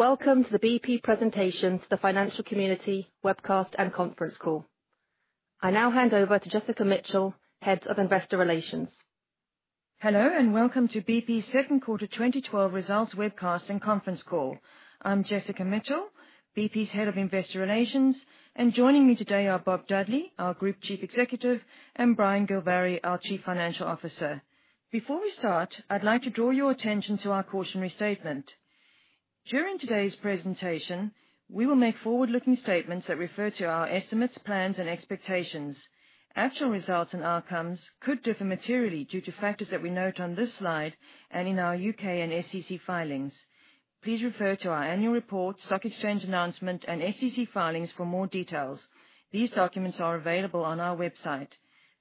Welcome to the BP presentation to the financial community webcast and conference call. I now hand over to Jessica Mitchell, Head of Investor Relations. Hello, welcome to BP's second quarter 2012 results webcast and conference call. I'm Jessica Mitchell, BP's Head of Investor Relations, joining me today are Bob Dudley, our Group Chief Executive, and Brian Gilvary, our Chief Financial Officer. Before we start, I'd like to draw your attention to our cautionary statement. During today's presentation, we will make forward-looking statements that refer to our estimates, plans, and expectations. Actual results and outcomes could differ materially due to factors that we note on this slide and in our U.K. and SEC filings. Please refer to our annual report, stock exchange announcement, and SEC filings for more details. These documents are available on our website.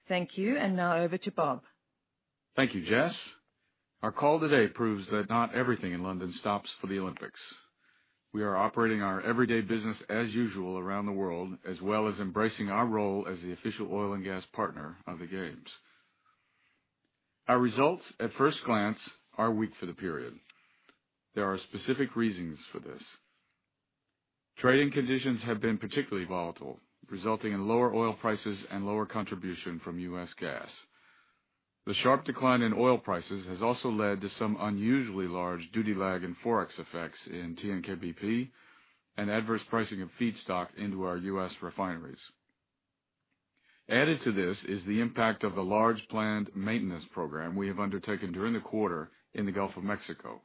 Thank you, now over to Bob. Thank you, Jess. Our call today proves that not everything in London stops for the Olympics. We are operating our everyday business as usual around the world, as well as embracing our role as the official oil and gas partner of the games. Our results, at first glance, are weak for the period. There are specific reasons for this. Trading conditions have been particularly volatile, resulting in lower oil prices and lower contribution from U.S. gas. The sharp decline in oil prices has also led to some unusually large duty lag and Forex effects in TNK-BP and adverse pricing of feedstock into our U.S. refineries. Added to this is the impact of the large planned maintenance program we have undertaken during the quarter in the Gulf of Mexico,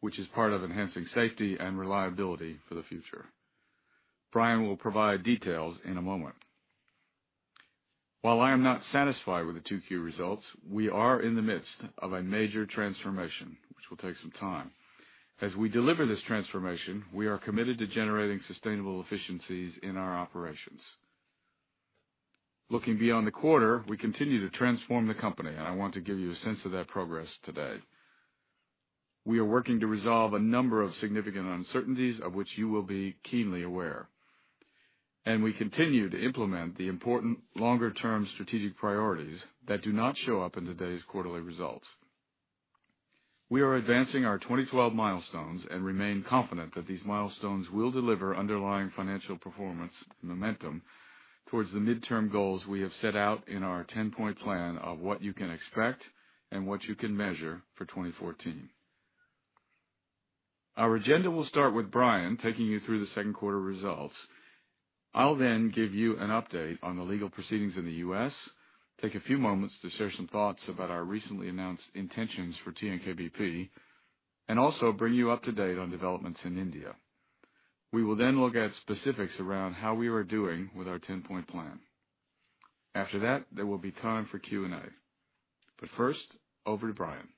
which is part of enhancing safety and reliability for the future. Brian will provide details in a moment. While I am not satisfied with the 2Q results, we are in the midst of a major transformation, which will take some time. As we deliver this transformation, we are committed to generating sustainable efficiencies in our operations. Looking beyond the quarter, we continue to transform the company, I want to give you a sense of that progress today. We are working to resolve a number of significant uncertainties of which you will be keenly aware, we continue to implement the important longer term strategic priorities that do not show up in today's quarterly results. We are advancing our 2012 milestones and remain confident that these milestones will deliver underlying financial performance momentum towards the midterm goals we have set out in our 10-point plan of what you can expect and what you can measure for 2014. Our agenda will start with Brian taking you through the second quarter results. I'll then give you an update on the legal proceedings in the U.S., take a few moments to share some thoughts about our recently announced intentions for TNK-BP, and also bring you up to date on developments in India. We will then look at specifics around how we are doing with our 10-point plan. After that, there will be time for Q&A. First, over to Brian.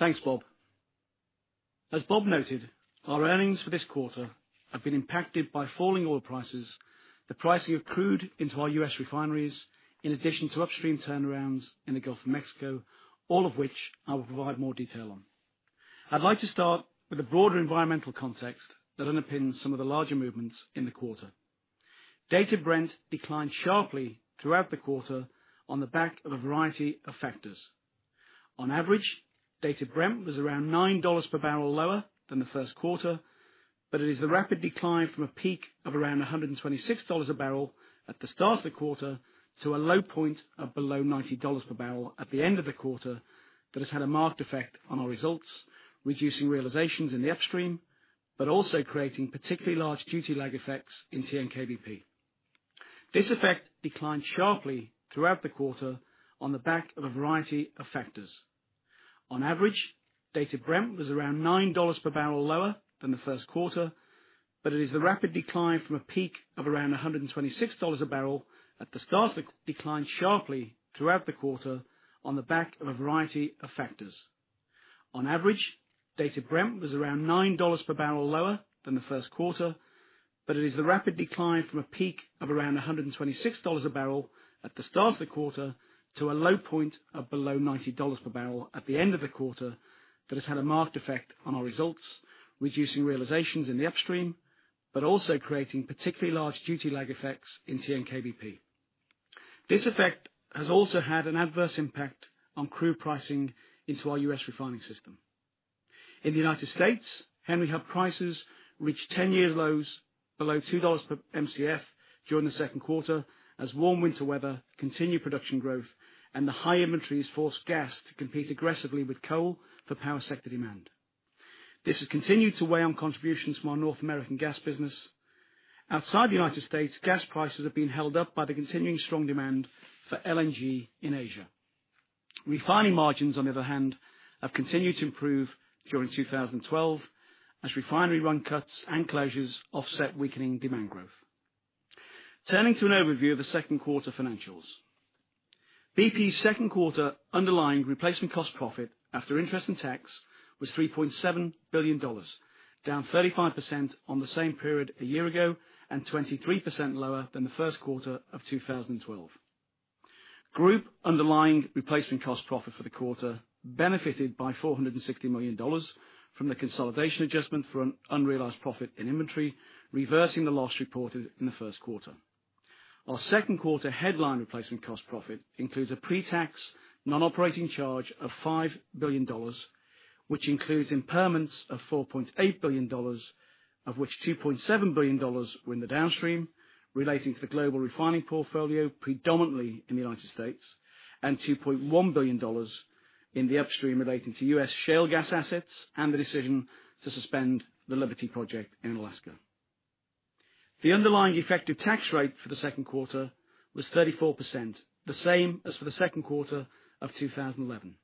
Thanks, Bob. As Bob noted, our earnings for this quarter have been impacted by falling oil prices, the pricing of crude into our U.S. refineries, in addition to upstream turnarounds in the Gulf of Mexico, all of which I will provide more detail on. I'd like to start with the broader environmental context that underpins some of the larger movements in the quarter. Dated Brent declined sharply throughout the quarter on the back of a variety of factors. On average, Dated Brent was around $9 per barrel lower than the first quarter, but it is the rapid decline from a peak of around $126 a barrel at the start of the quarter to a low point of below $90 per barrel at the end of the quarter that has had a marked effect on our results, reducing realizations in the upstream, but also creating particularly large duty lag effects in TNK-BP. This effect declined sharply throughout the quarter on the back of a variety of factors. On average, Dated Brent was around $9 per barrel lower than the first quarter, but it is the rapid decline from a peak of around $126 a barrel at the start of the quarter to a low point of below $90 per barrel at the end of the quarter that has had a marked effect on our results, reducing realizations in the upstream, but also creating particularly large duty lag effects in TNK-BP. This effect has also had an adverse impact on crude pricing into our U.S. refining system. In the United States, Henry Hub prices reached 10-year lows below $2 per Mcf during the second quarter as warm winter weather continued production growth and the high inventories forced gas to compete aggressively with coal for power sector demand. This has continued to weigh on contributions from our North American gas business. Outside the U.S., gas prices have been held up by the continuing strong demand for LNG in Asia. Refining margins, on the other hand, have continued to improve during 2012 as refinery run cuts and closures offset weakening demand growth. Turning to an overview of the second quarter financials. BP's second quarter underlying replacement cost profit after interest and tax was $3.7 billion, down 35% on the same period a year ago and 23% lower than the first quarter of 2012. Group underlying replacement cost profit for the quarter benefited by $460 million from the consolidation adjustment for an unrealized profit in inventory, reversing the loss reported in the first quarter. Our second quarter headline replacement cost profit includes a pre-tax non-operating charge of $5 billion, which includes impairments of $4.8 billion, of which $2.7 billion were in the Downstream relating to the global refining portfolio, predominantly in the U.S., and $2.1 billion in the Upstream relating to U.S. shale gas assets and the decision to suspend the Liberty project in Alaska. The underlying effective tax rate for the second quarter was 34%, the same as for the second quarter of 2011.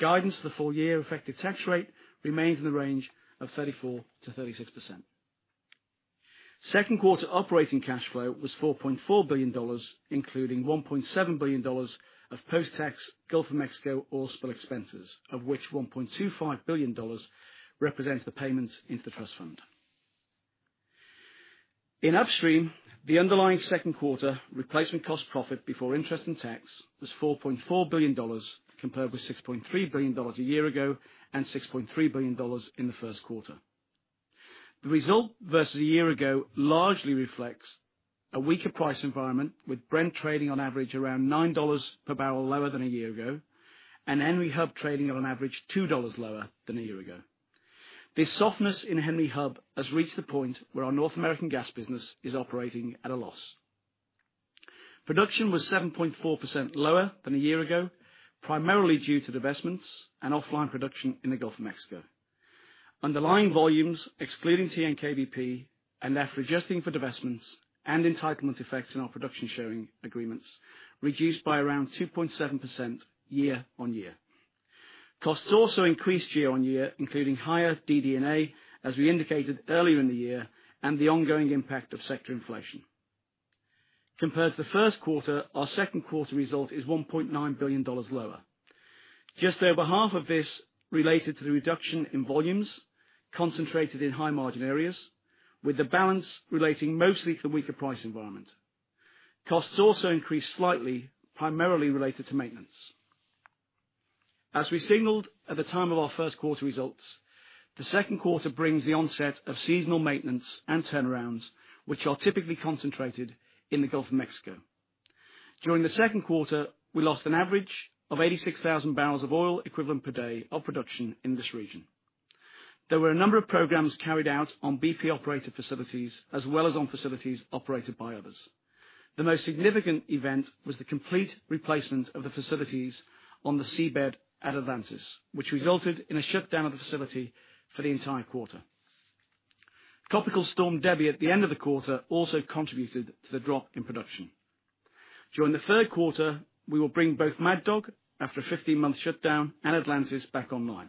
Guidance for the full year effective tax rate remains in the range of 34%-36%. Second quarter operating cash flow was $4.4 billion, including $1.7 billion of post-tax Gulf of Mexico oil spill expenses, of which $1.25 billion represents the payments into the trust fund. In Upstream, the underlying second quarter replacement cost profit before interest and tax was $4.4 billion, compared with $6.3 billion a year ago and $6.3 billion in the first quarter. The result versus a year ago largely reflects a weaker price environment with Brent trading on average around $9 per barrel lower than a year ago, and Henry Hub trading on an average $2 lower than a year ago. This softness in Henry Hub has reached the point where our North American gas business is operating at a loss. Production was 7.4% lower than a year ago, primarily due to divestments and offline production in the Gulf of Mexico. Underlying volumes, excluding TNK-BP, and after adjusting for divestments and entitlement effects in our production sharing agreements, reduced by around 2.7% year on year. Costs also increased year on year, including higher DD&A, as we indicated earlier in the year, and the ongoing impact of sector inflation. Compared to the first quarter, our second quarter result is $1.9 billion lower. Just over half of this related to the reduction in volumes concentrated in high-margin areas, with the balance relating mostly to the weaker price environment. Costs also increased slightly, primarily related to maintenance. As we signaled at the time of our first quarter results, the second quarter brings the onset of seasonal maintenance and turnarounds, which are typically concentrated in the Gulf of Mexico. During the second quarter, we lost an average of 86,000 barrels of oil equivalent per day of production in this region. There were a number of programs carried out on BP-operated facilities, as well as on facilities operated by others. The most significant event was the complete replacement of the facilities on the seabed at Atlantis, which resulted in a shutdown of the facility for the entire quarter. Tropical Storm Debby at the end of the quarter also contributed to the drop in production. During the third quarter, we will bring both Mad Dog, after a 15-month shutdown, and Atlantis back online.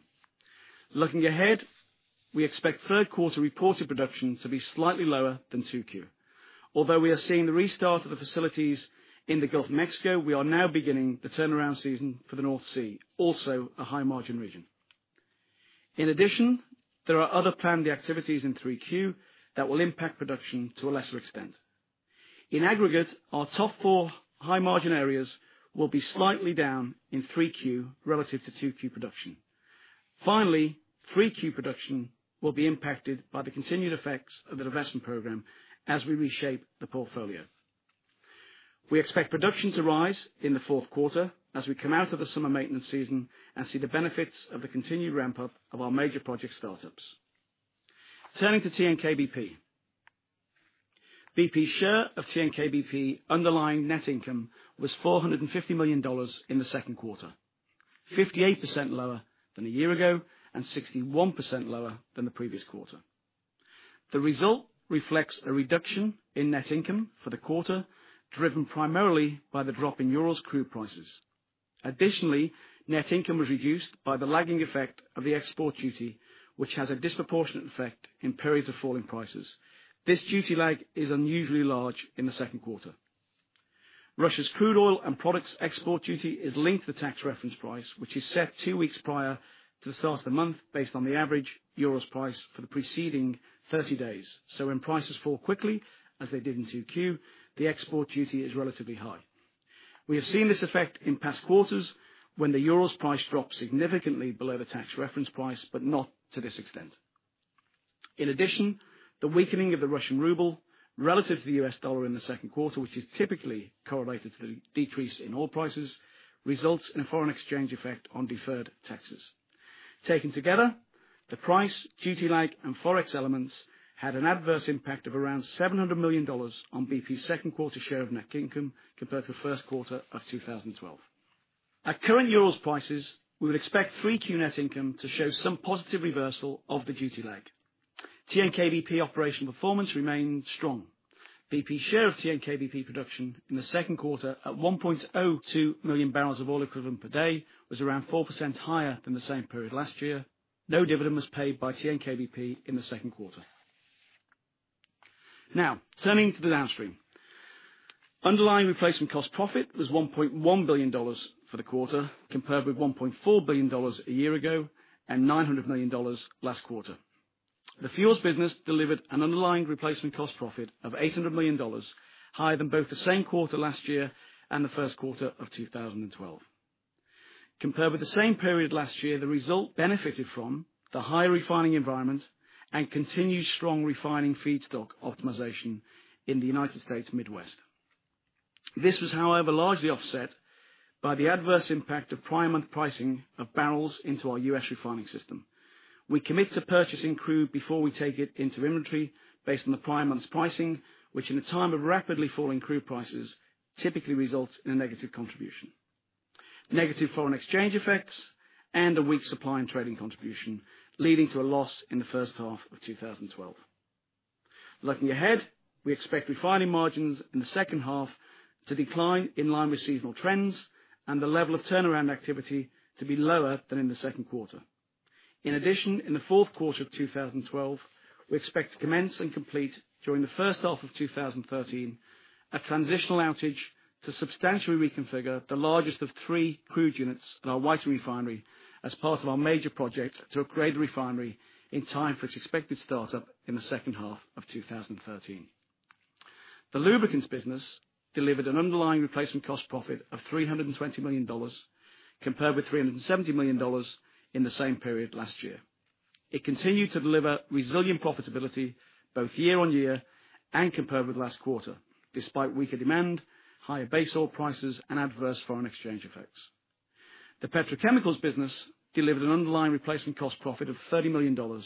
Looking ahead, we expect third quarter reported production to be slightly lower than 2Q. Although we are seeing the restart of the facilities in the Gulf of Mexico, we are now beginning the turnaround season for the North Sea, also a high-margin region. In addition, there are other planned activities in 3Q that will impact production to a lesser extent. In aggregate, our top four high-margin areas will be slightly down in 3Q relative to 2Q production. 3Q production will be impacted by the continued effects of the divestment program as we reshape the portfolio. We expect production to rise in the fourth quarter as we come out of the summer maintenance season and see the benefits of the continued ramp-up of our major project startups. Turning to TNK-BP. BP's share of TNK-BP underlying net income was $450 million in the second quarter, 58% lower than a year ago and 61% lower than the previous quarter. The result reflects a reduction in net income for the quarter, driven primarily by the drop in Urals crude prices. Additionally, net income was reduced by the lagging effect of the export duty, which has a disproportionate effect in periods of falling prices. This duty lag is unusually large in the second quarter. Russia's crude oil and products export duty is linked to the tax reference price, which is set two weeks prior to the start of the month based on the average Urals price for the preceding 30 days. When prices fall quickly, as they did in 2Q, the export duty is relatively high. We have seen this effect in past quarters when the Urals price drops significantly below the tax reference price, but not to this extent. In addition, the weakening of the Russian ruble relative to the U.S. dollar in the second quarter, which is typically correlated to the decrease in oil prices, results in a foreign exchange effect on deferred taxes. Taken together, the price, duty lag, and forex elements had an adverse impact of around $700 million on BP's second quarter share of net income compared to the first quarter of 2012. At current Urals prices, we would expect 3Q net income to show some positive reversal of the duty lag. TNK-BP operational performance remained strong. BP's share of TNK-BP production in the second quarter at 1.02 million barrels of oil equivalent per day was around 4% higher than the same period last year. No dividend was paid by TNK-BP in the second quarter. Turning to the Downstream. Underlying replacement cost profit was $1.1 billion for the quarter, compared with $1.4 billion a year ago and $900 million last quarter. The fuels business delivered an underlying replacement cost profit of $800 million, higher than both the same quarter last year and the first quarter of 2012. Compared with the same period last year, the result benefited from the high refining environment and continued strong refining feedstock optimization in the United States Midwest. This was, however, largely offset by the adverse impact of prior month pricing of barrels into our U.S. refining system. We commit to purchasing crude before we take it into inventory based on the prior month's pricing, which, in a time of rapidly falling crude prices, typically results in a negative contribution. Negative foreign exchange effects and a weak supply and trading contribution, leading to a loss in the first half of 2012. Looking ahead, we expect refining margins in the second half to decline in line with seasonal trends and the level of turnaround activity to be lower than in the second quarter. In addition, in the fourth quarter of 2012, we expect to commence and complete, during the first half of 2013, a transitional outage to substantially reconfigure the largest of three crude units in our Whiting Refinery as part of our major project to upgrade the refinery in time for its expected startup in the second half of 2013. The lubricants business delivered an underlying replacement cost profit of $320 million, compared with $370 million in the same period last year. It continued to deliver resilient profitability both year on year and compared with last quarter, despite weaker demand, higher base oil prices, and adverse foreign exchange effects. The petrochemicals business delivered an underlying replacement cost profit of $30 million,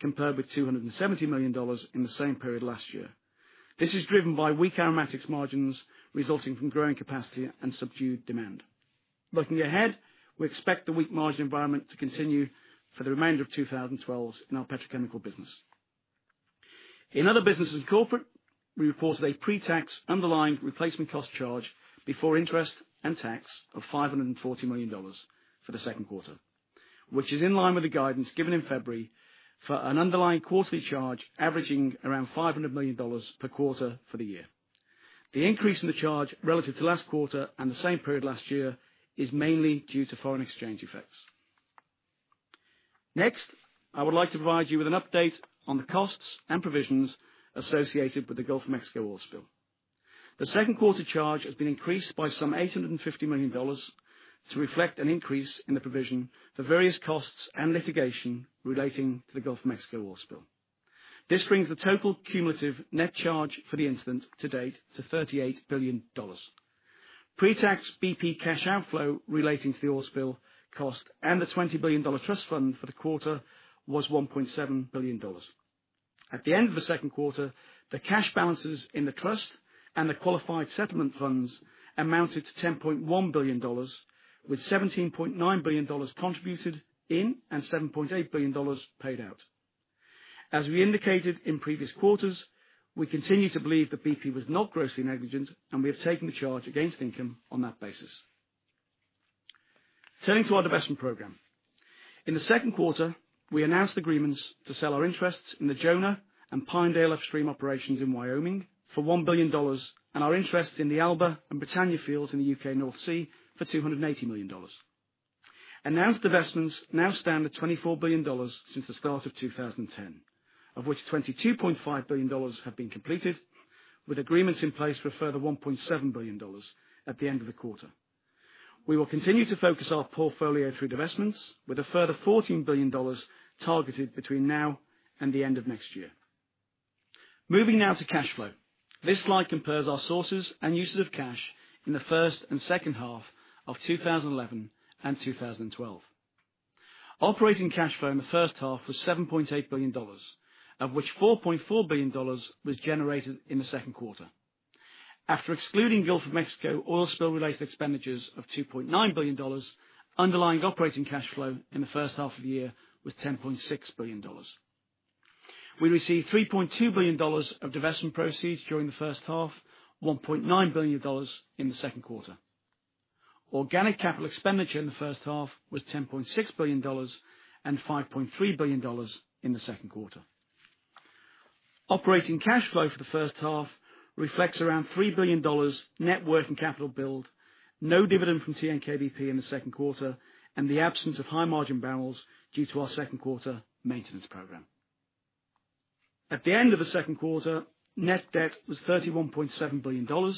compared with $270 million in the same period last year. This is driven by weak aromatics margins resulting from growing capacity and subdued demand. Looking ahead, we expect the weak margin environment to continue for the remainder of 2012 in our petrochemical business. In other businesses corporate, we reported a pre-tax underlying replacement cost charge before interest and tax of $540 million for the second quarter, which is in line with the guidance given in February for an underlying quarterly charge averaging around $500 million per quarter for the year. The increase in the charge relative to last quarter and the same period last year is mainly due to foreign exchange effects. Next, I would like to provide you with an update on the costs and provisions associated with the Gulf of Mexico oil spill. The second quarter charge has been increased by some $850 million to reflect an increase in the provision for various costs and litigation relating to the Gulf of Mexico oil spill. This brings the total cumulative net charge for the incident to date to $38 billion. Pre-tax BP cash outflow relating to the oil spill cost and the $20 billion trust fund for the quarter was $1.7 billion. At the end of the second quarter, the cash balances in the trust and the qualified settlement funds amounted to $10.1 billion, with $17.9 billion contributed in and $7.8 billion paid out. As we indicated in previous quarters, we continue to believe that BP was not grossly negligent, and we have taken the charge against income on that basis. Turning to our divestment program. In the second quarter, we announced agreements to sell our interests in the Jonah and Pinedale upstream operations in Wyoming for $1 billion and our interest in the Alba and Britannia fields in the U.K. North Sea for $280 million. Announced divestments now stand at $24 billion since the start of 2010, of which $22.5 billion have been completed, with agreements in place for a further $1.7 billion at the end of the quarter. We will continue to focus our portfolio through divestments with a further $14 billion targeted between now and the end of next year. Moving now to cash flow. This slide compares our sources and uses of cash in the first and second half of 2011 and 2012. Operating cash flow in the first half was $7.8 billion, of which $4.4 billion was generated in the second quarter. After excluding Gulf of Mexico oil spill-related expenditures of $2.9 billion, underlying operating cash flow in the first half of the year was $10.6 billion. We received $3.2 billion of divestment proceeds during the first half, $1.9 billion in the second quarter. Organic capital expenditure in the first half was $10.6 billion and $5.3 billion in the second quarter. Operating cash flow for the first half reflects around $3 billion net working capital build, no dividend from TNK-BP in the second quarter, and the absence of high-margin barrels due to our second quarter maintenance program. At the end of the second quarter, net debt was $31.7 billion,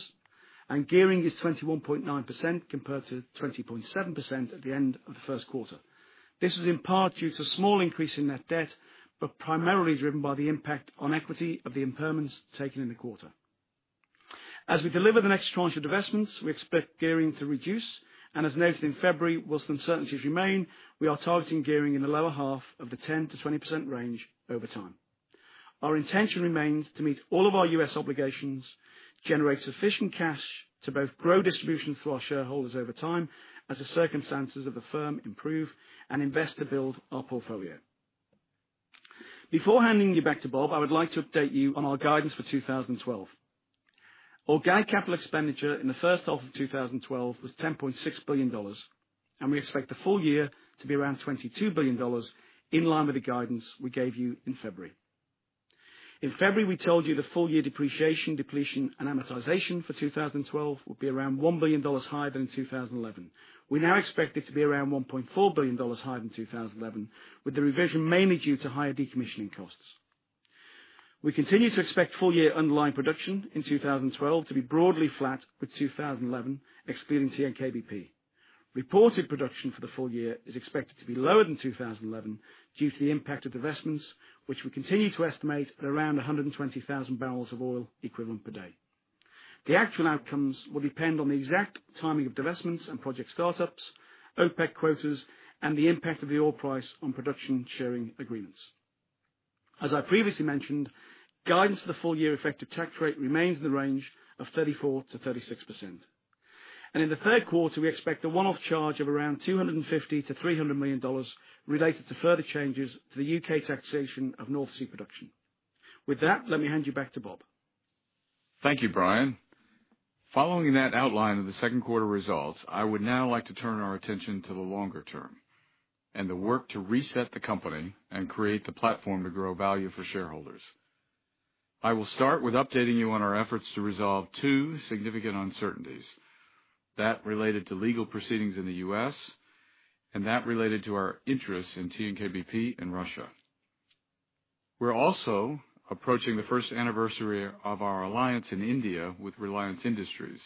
and gearing is 21.9% compared to 20.7% at the end of the first quarter. This was in part due to a small increase in net debt, but primarily driven by the impact on equity of the impairments taken in the quarter. As we deliver the next tranche of divestments, we expect gearing to reduce, and as noted in February, whilst uncertainties remain, we are targeting gearing in the lower half of the 10%-20% range over time. Our intention remains to meet all of our U.S. obligations, generate sufficient cash to both grow distributions to our shareholders over time as the circumstances of the firm improve, and invest to build our portfolio. Before handing you back to Bob, I would like to update you on our guidance for 2012. Organic capital expenditure in the first half of 2012 was $10.6 billion, and we expect the full year to be around $22 billion, in line with the guidance we gave you in February. In February, we told you the full-year depreciation, depletion, and amortization for 2012 would be around $1 billion higher than 2011. We now expect it to be around $1.4 billion higher than 2011, with the revision mainly due to higher decommissioning costs. We continue to expect full-year underlying production in 2012 to be broadly flat with 2011, excluding TNK-BP. Reported production for the full year is expected to be lower than 2011 due to the impact of divestments, which we continue to estimate at around 120,000 barrels of oil equivalent per day. The actual outcomes will depend on the exact timing of divestments and project startups, OPEC quotas, and the impact of the oil price on production sharing agreements. As I previously mentioned, guidance for the full-year effective tax rate remains in the range of 34%-36%. In the third quarter, we expect a one-off charge of around $250 million-$300 million related to further changes to the U.K. taxation of North Sea production. With that, let me hand you back to Bob. Thank you, Brian. Following that outline of the second quarter results, I would now like to turn our attention to the longer term and the work to reset the company and create the platform to grow value for shareholders. I will start with updating you on our efforts to resolve two significant uncertainties. That related to legal proceedings in the U.S., and that related to our interest in TNK-BP in Russia. We're also approaching the first anniversary of our alliance in India with Reliance Industries.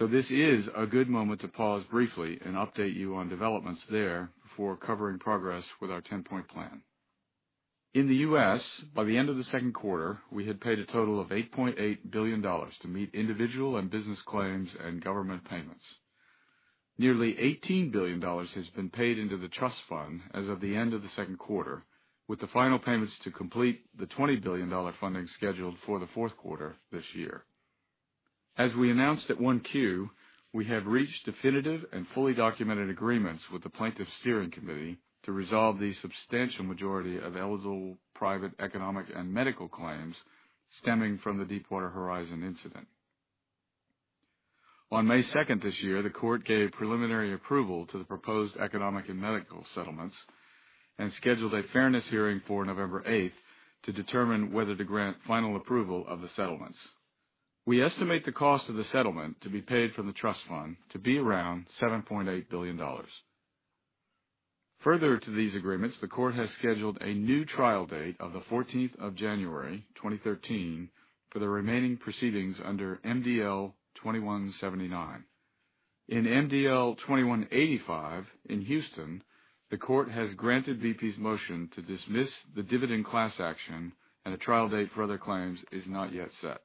This is a good moment to pause briefly and update you on developments there before covering progress with our 10-point plan. In the U.S., by the end of the second quarter, we had paid a total of $8.8 billion to meet individual and business claims and government payments. Nearly $18 billion has been paid into the trust fund as of the end of the second quarter, with the final payments to complete the $20 billion funding scheduled for the fourth quarter this year. As we announced at 1Q, we have reached definitive and fully documented agreements with the plaintiffs' steering committee to resolve the substantial majority of eligible private economic and medical claims stemming from the Deepwater Horizon incident. On May 2nd this year, the court gave preliminary approval to the proposed economic and medical settlements and scheduled a fairness hearing for November 8th to determine whether to grant final approval of the settlements. We estimate the cost of the settlement to be paid from the trust fund to be around $7.8 billion. Further to these agreements, the court has scheduled a new trial date of the 14th of January 2013 for the remaining proceedings under MDL 2179. In MDL 2185 in Houston, the court has granted BP's motion to dismiss the dividend class action, and a trial date for other claims is not yet set.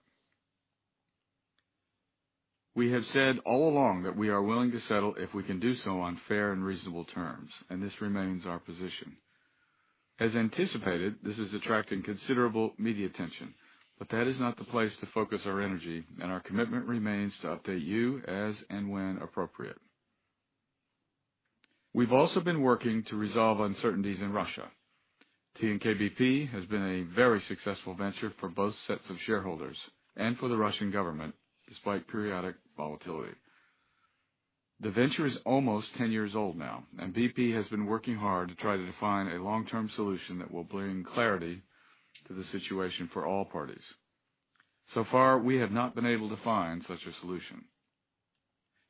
We have said all along that we are willing to settle if we can do so on fair and reasonable terms. This remains our position. As anticipated, this is attracting considerable media attention. That is not the place to focus our energy, and our commitment remains to update you as and when appropriate. We've also been working to resolve uncertainties in Russia. TNK-BP has been a very successful venture for both sets of shareholders and for the Russian government, despite periodic volatility. The venture is almost 10 years old now, and BP has been working hard to try to define a long-term solution that will bring clarity to the situation for all parties. So far, we have not been able to find such a solution.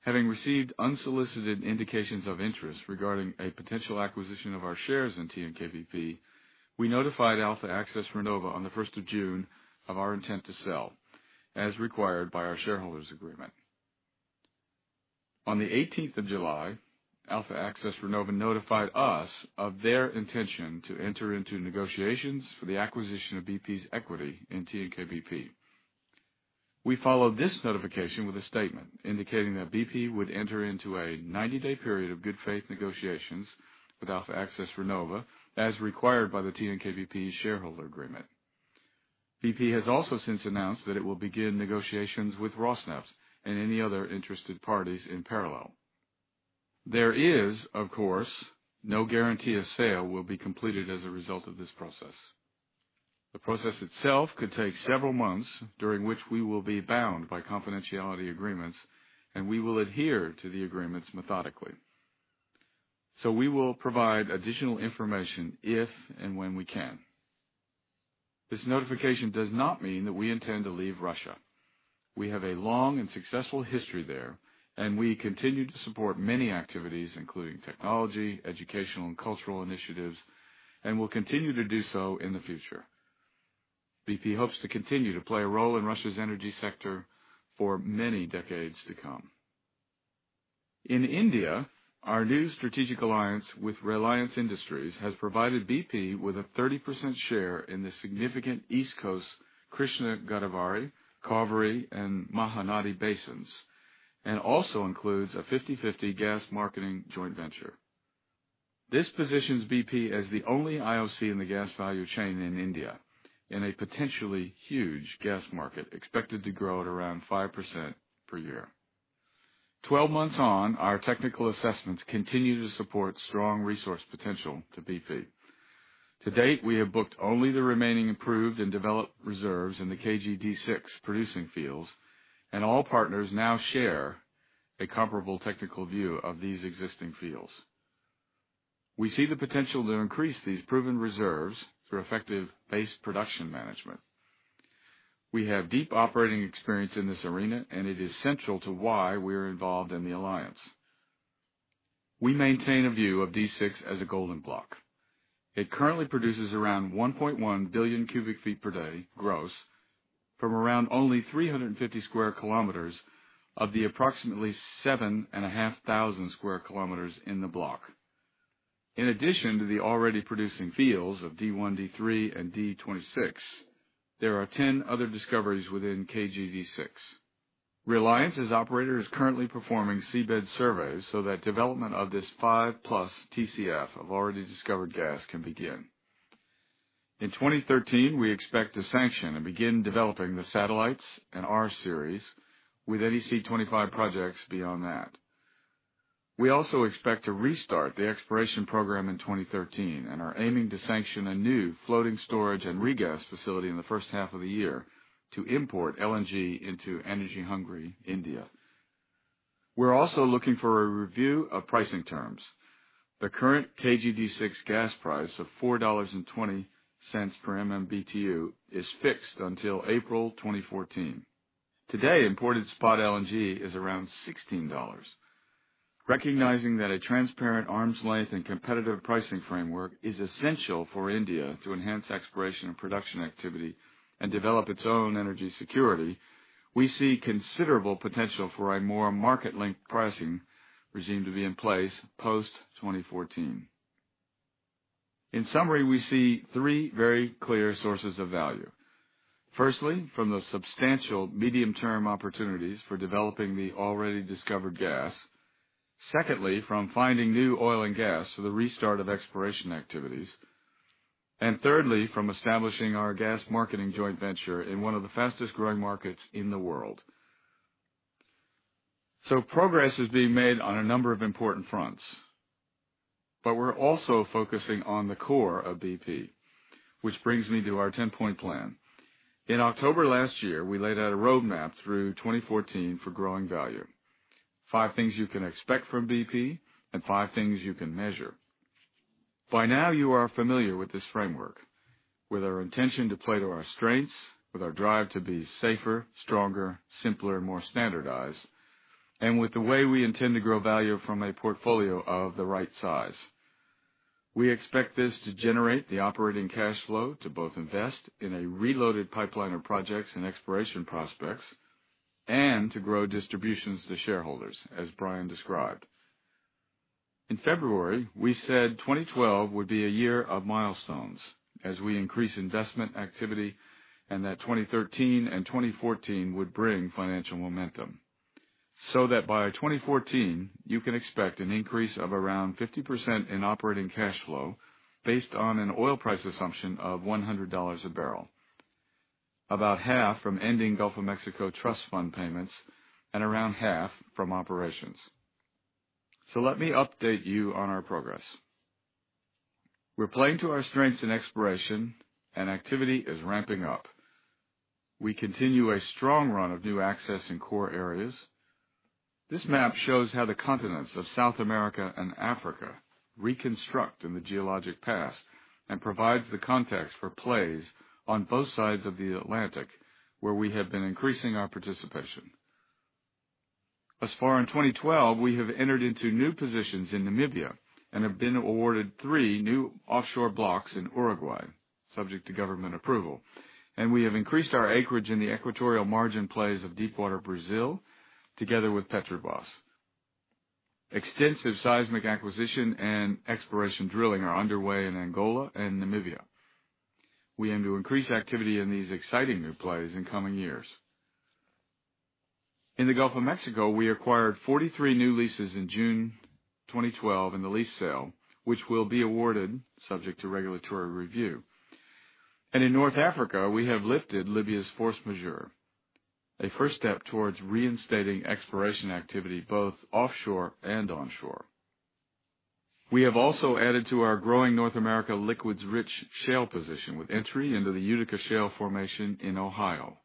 Having received unsolicited indications of interest regarding a potential acquisition of our shares in TNK-BP, we notified Alfa Access Renova on the 1st of June of our intent to sell, as required by our shareholders' agreement. On the 18th of July, Alfa Access Renova notified us of their intention to enter into negotiations for the acquisition of BP's equity in TNK-BP. We followed this notification with a statement indicating that BP would enter into a 90-day period of good faith negotiations with Alfa Access Renova, as required by the TNK-BP shareholder agreement. BP has also since announced that it will begin negotiations with Rosneft and any other interested parties in parallel. There is, of course, no guarantee a sale will be completed as a result of this process. The process itself could take several months, during which we will be bound by confidentiality agreements, and we will adhere to the agreements methodically. We will provide additional information if and when we can. This notification does not mean that we intend to leave Russia. We have a long and successful history there, and we continue to support many activities, including technology, educational and cultural initiatives, and will continue to do so in the future. BP hopes to continue to play a role in Russia's energy sector for many decades to come. In India, our new strategic alliance with Reliance Industries has provided BP with a 30% share in the significant East Coast Krishna Godavari, Cauvery, and Mahanadi basins, and also includes a 50/50 gas marketing joint venture. This positions BP as the only IOC in the gas value chain in India, in a potentially huge gas market expected to grow at around 5% per year. 12 months on, our technical assessments continue to support strong resource potential to BP. To date, we have booked only the remaining approved and developed reserves in the KG-D6 producing fields, and all partners now share a comparable technical view of these existing fields. We see the potential to increase these proven reserves through effective base production management. We have deep operating experience in this arena, and it is central to why we are involved in the alliance. We maintain a view of D6 as a golden block. It currently produces around 1.1 billion cubic feet per day gross from around only 350 square kilometers of the approximately 7,500 square kilometers in the block. In addition to the already producing fields of D1, D3, and D26, there are 10 other discoveries within KG-D6. Reliance, as operator, is currently performing seabed surveys so that development of this five-plus TCF of already discovered gas can begin. In 2013, we expect to sanction and begin developing the satellites and R-series with any C25 projects beyond that. We also expect to restart the exploration program in 2013 and are aiming to sanction a new floating storage and regas facility in the first half of the year to import LNG into energy-hungry India. We are also looking for a review of pricing terms. The current KG-D6 gas price of $4.20 per MMBtu is fixed until April 2014. Today, imported spot LNG is around $16. Recognizing that a transparent, arm's length, and competitive pricing framework is essential for India to enhance exploration and production activity and develop its own energy security, we see considerable potential for a more market-linked pricing regime to be in place post-2014. In summary, we see three very clear sources of value. Firstly, from the substantial medium-term opportunities for developing the already discovered gas. Secondly, from finding new oil and gas for the restart of exploration activities. Thirdly, from establishing our gas marketing joint venture in one of the fastest-growing markets in the world. Progress is being made on a number of important fronts. We are also focusing on the core of BP, which brings me to our 10-point plan. In October last year, we laid out a roadmap through 2014 for growing value. Five things you can expect from BP and five things you can measure. By now, you are familiar with this framework. With our intention to play to our strengths, with our drive to be safer, stronger, simpler, and more standardized, and with the way we intend to grow value from a portfolio of the right size. We expect this to generate the operating cash flow to both invest in a reloaded pipeline of projects and exploration prospects and to grow distributions to shareholders, as Brian described. In February, we said 2012 would be a year of milestones as we increase investment activity, and that 2013 and 2014 would bring financial momentum, so that by 2014, you can expect an increase of around 50% in operating cash flow based on an oil price assumption of $100 a barrel. About half from ending Gulf of Mexico Trust Fund payments and around half from operations. Let me update you on our progress. We are playing to our strengths in exploration and activity is ramping up. We continue a strong run of new access in core areas. This map shows how the continents of South America and Africa reconstruct in the geologic past and provides the context for plays on both sides of the Atlantic, where we have been increasing our participation. As far in 2012, we have entered into new positions in Namibia and have been awarded three new offshore blocks in Uruguay, subject to government approval. We have increased our acreage in the equatorial margin plays of deepwater Brazil together with Petrobras. Extensive seismic acquisition and exploration drilling are underway in Angola and Namibia. We aim to increase activity in these exciting new plays in coming years. In the Gulf of Mexico, we acquired 43 new leases in June 2012 in the lease sale, which will be awarded subject to regulatory review. In North Africa, we have lifted Libya's force majeure, a first step towards reinstating exploration activity both offshore and onshore. We have also added to our growing North America liquids-rich shale position with entry into the Utica shale formation in Ohio.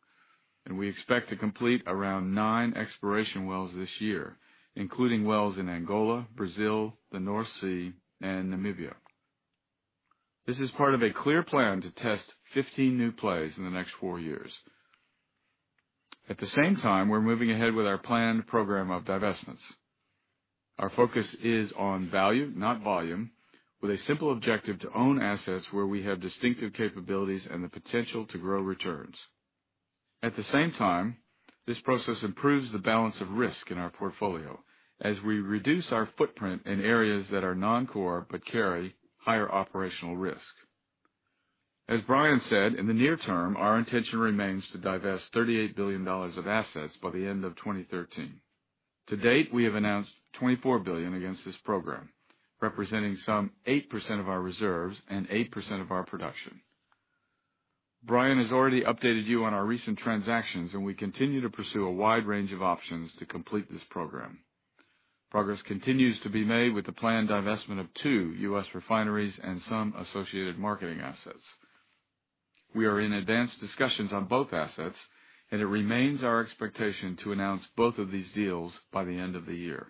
We expect to complete around nine exploration wells this year, including wells in Angola, Brazil, the North Sea, and Namibia. This is part of a clear plan to test 15 new plays in the next four years. At the same time, we are moving ahead with our planned program of divestments. Our focus is on value, not volume, with a simple objective to own assets where we have distinctive capabilities and the potential to grow returns. At the same time, this process improves the balance of risk in our portfolio as we reduce our footprint in areas that are non-core but carry higher operational risk. As Brian said, in the near term, our intention remains to divest $38 billion of assets by the end of 2013. To date, we have announced $24 billion against this program, representing some 8% of our reserves and 8% of our production. Brian has already updated you on our recent transactions. We continue to pursue a wide range of options to complete this program. Progress continues to be made with the planned divestment of two U.S. refineries and some associated marketing assets. We are in advanced discussions on both assets. It remains our expectation to announce both of these deals by the end of the year.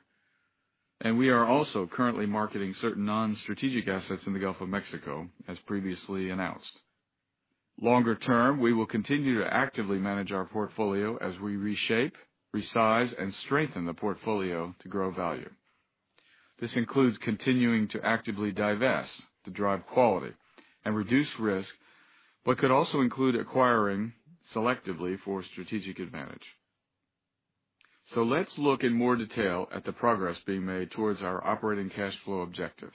We are also currently marketing certain non-strategic assets in the Gulf of Mexico, as previously announced. Longer term, we will continue to actively manage our portfolio as we reshape, resize, and strengthen the portfolio to grow value. This includes continuing to actively divest to drive quality and reduce risk, but could also include acquiring selectively for strategic advantage. Let's look in more detail at the progress being made towards our operating cash flow objective.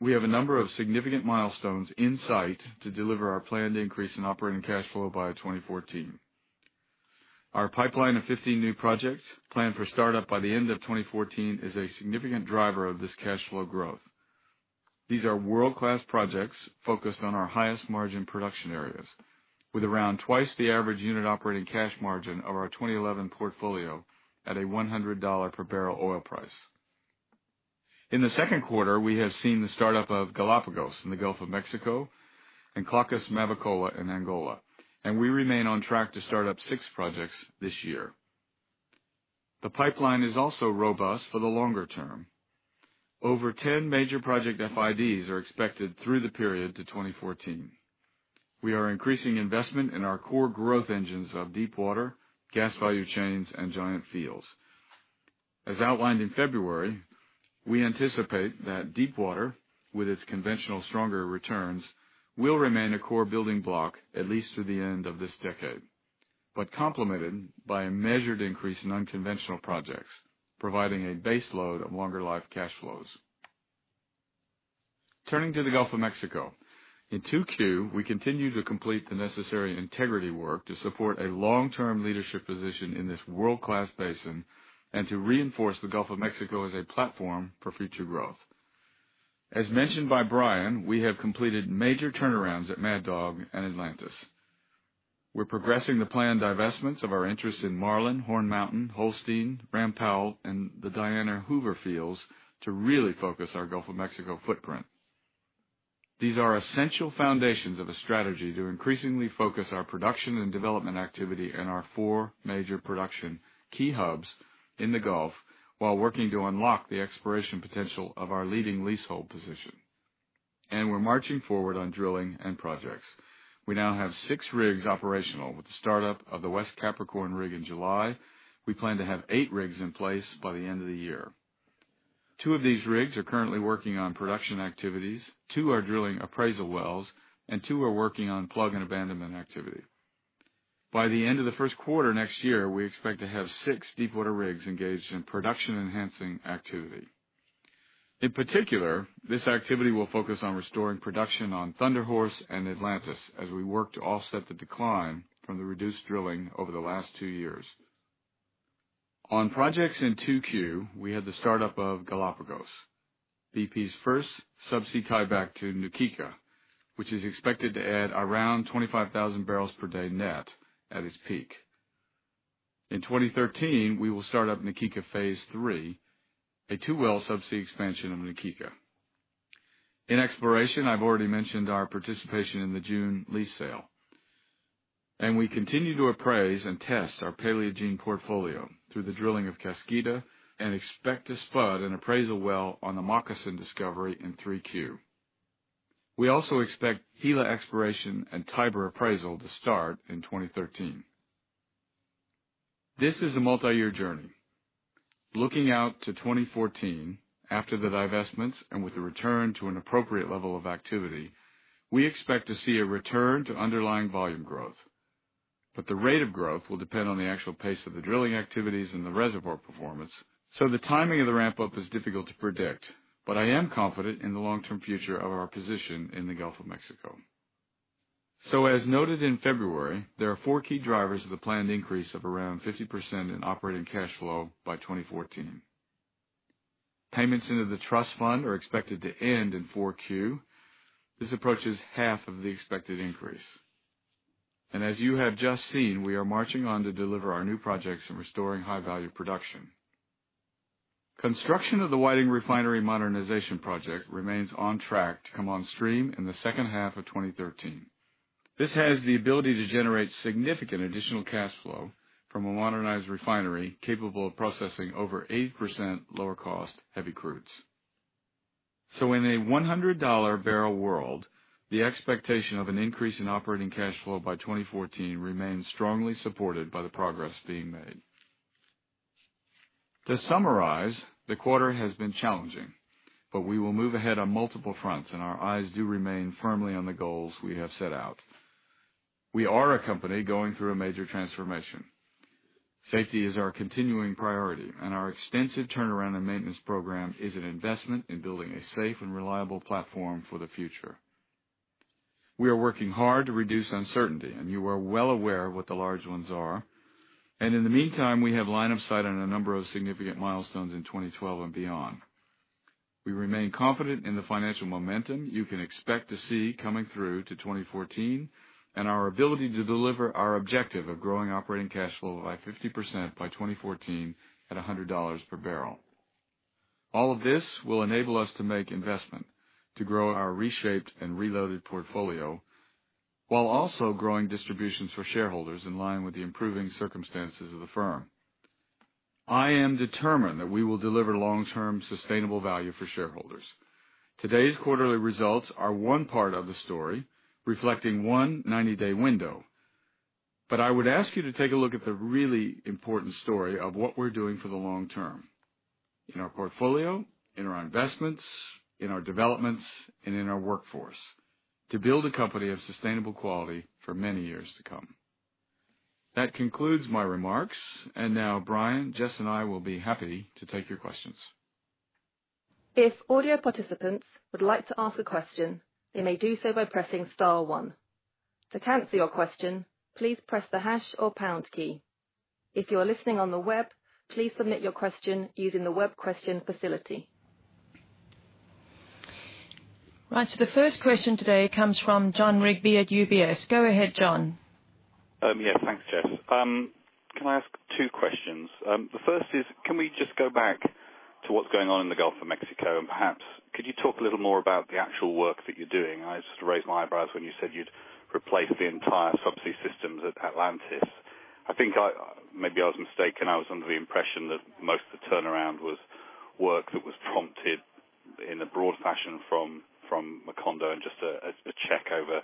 We have a number of significant milestones in sight to deliver our planned increase in operating cash flow by 2014. Our pipeline of 15 new projects planned for startup by the end of 2014 is a significant driver of this cash flow growth. These are world-class projects focused on our highest margin production areas, with around twice the average unit operating cash margin of our 2011 portfolio at a $100 per barrel oil price. In the second quarter, we have seen the startup of Galapagos in the Gulf of Mexico and [Klakkors-Mavigoala] in Angola, and we remain on track to start up six projects this year. The pipeline is also robust for the longer term. Over 10 major project FIDs are expected through the period to 2014. We are increasing investment in our core growth engines of deepwater, gas value chains, and giant fields. As outlined in February, we anticipate that deepwater, with its conventional stronger returns, will remain a core building block at least through the end of this decade, but complemented by a measured increase in unconventional projects, providing a base load of longer life cash flows. Turning to the Gulf of Mexico. In 2Q, we continue to complete the necessary integrity work to support a long-term leadership position in this world-class basin and to reinforce the Gulf of Mexico as a platform for future growth. As mentioned by Brian, we have completed major turnarounds at Mad Dog and Atlantis. We are progressing the planned divestments of our interest in Marlin, Horn Mountain, Holstein, Ram Powell, and the Diana Hoover fields to really focus our Gulf of Mexico footprint. These are essential foundations of a strategy to increasingly focus our production and development activity in our four major production key hubs in the Gulf while working to unlock the exploration potential of our leading leasehold position. We are marching forward on drilling projects. We now have six rigs operational. With the startup of the West Capricorn rig in July, we plan to have eight rigs in place by the end of the year. Two of these rigs are currently working on production activities, two are drilling appraisal wells, and two are working on plug and abandonment activity. By the end of the first quarter next year, we expect to have six deepwater rigs engaged in production-enhancing activity. In particular, this activity will focus on restoring production on Thunder Horse and Atlantis as we work to offset the decline from the reduced drilling over the last two years. On projects in 2Q, we had the startup of Galapagos, BP's first subsea tieback to Na Kika, which is expected to add around 25,000 barrels per day net at its peak. In 2013, we will start up Na Kika Phase 3, a two-well subsea expansion of Na Kika. In exploration, I have already mentioned our participation in the June lease sale. We continue to appraise and test our Paleogene portfolio through the drilling of Kaskida, and expect to spud an appraisal well on the Moccasin discovery in 3Q. We also expect Gila exploration and Tiber appraisal to start in 2013. This is a multi-year journey. Looking out to 2014, after the divestments and with the return to an appropriate level of activity, we expect to see a return to underlying volume growth. The rate of growth will depend on the actual pace of the drilling activities and the reservoir performance, so the timing of the ramp-up is difficult to predict. I am confident in the long-term future of our position in the Gulf of Mexico. As noted in February, there are four key drivers of the planned increase of around 50% in operating cash flow by 2014. Payments into the trust fund are expected to end in 4Q. This approaches half of the expected increase. As you have just seen, we are marching on to deliver our new projects and restoring high-value production. Construction of the Whiting Refinery modernization project remains on track to come on stream in the second half of 2013. This has the ability to generate significant additional cash flow from a modernized refinery capable of processing over 8% lower cost heavy crudes. In a $100 barrel world, the expectation of an increase in operating cash flow by 2014 remains strongly supported by the progress being made. To summarize, the quarter has been challenging, but we will move ahead on multiple fronts, and our eyes do remain firmly on the goals we have set out. We are a company going through a major transformation. Safety is our continuing priority, and our extensive turnaround and maintenance program is an investment in building a safe and reliable platform for the future. We are working hard to reduce uncertainty, and you are well aware of what the large ones are. In the meantime, we have line of sight on a number of significant milestones in 2012 and beyond. We remain confident in the financial momentum you can expect to see coming through to 2014, and our ability to deliver our objective of growing operating cash flow by 50% by 2014 at $100 per barrel. All of this will enable us to make investment to grow our reshaped and reloaded portfolio, while also growing distributions for shareholders in line with the improving circumstances of the firm. I am determined that we will deliver long-term sustainable value for shareholders. Today's quarterly results are one part of the story, reflecting one 90-day window. I would ask you to take a look at the really important story of what we're doing for the long term in our portfolio, in our investments, in our developments, and in our workforce to build a company of sustainable quality for many years to come. That concludes my remarks. Now Brian, Jess, and I will be happy to take your questions. If audio participants would like to ask a question, they may do so by pressing star one. To cancel your question, please press the hash or pound key. If you are listening on the web, please submit your question using the web question facility. Right. The first question today comes from Jon Rigby at UBS. Go ahead, Jon. Yes. Thanks, Jess. Can I ask two questions? The first is, can we just go back to what's going on in the Gulf of Mexico and perhaps could you talk a little more about the actual work that you're doing? I just raised my eyebrows when you said you'd replace the entire subsea systems at Atlantis. I think maybe I was mistaken. I was under the impression that most of the turnaround was work that was prompted in a broad fashion from Macondo and just a check over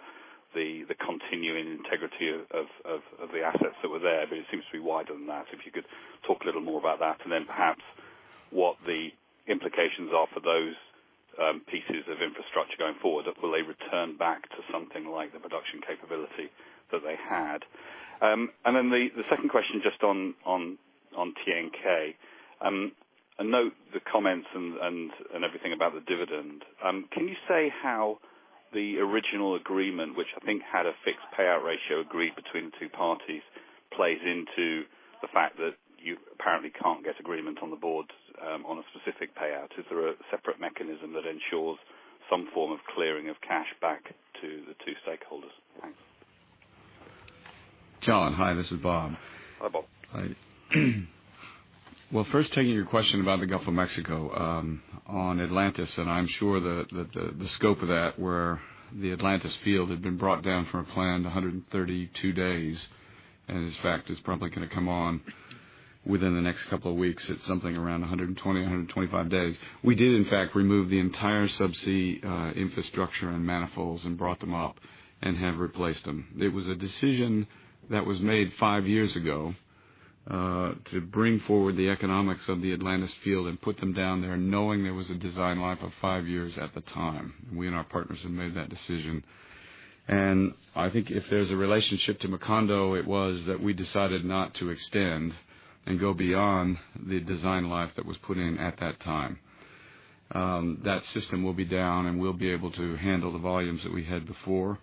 the continuing integrity of the assets that were there. It seems to be wider than that. If you could talk a little more about that, and then perhaps what the implications are for those pieces of infrastructure going forward, will they return back to something like the production capability that they had? And then the second question, just on TNK. I note the comments and everything about the dividend. Can you say how the original agreement, which I think had a fixed payout ratio agreed between the two parties, plays into the fact that you apparently can't get agreement on the board on a specific payout? Is there a separate mechanism that ensures some form of clearing of cash back to the two stakeholders? Thanks. Jon, hi. This is Bob. Hi, Bob. Hi. First, taking your question about the Gulf of Mexico on Atlantis, I'm sure that the scope of that, where the Atlantis field had been brought down for a planned 132 days, in fact, is probably going to come on within the next couple of weeks at something around 120, 125 days. We did, in fact, remove the entire subsea infrastructure and manifolds and brought them up and have replaced them. It was a decision that was made five years ago to bring forward the economics of the Atlantis field and put them down there knowing there was a design life of five years at the time. We and our partners have made that decision. I think if there's a relationship to Macondo, it was that we decided not to extend and go beyond the design life that was put in at that time. That system will be down, we'll be able to handle the volumes that we had before,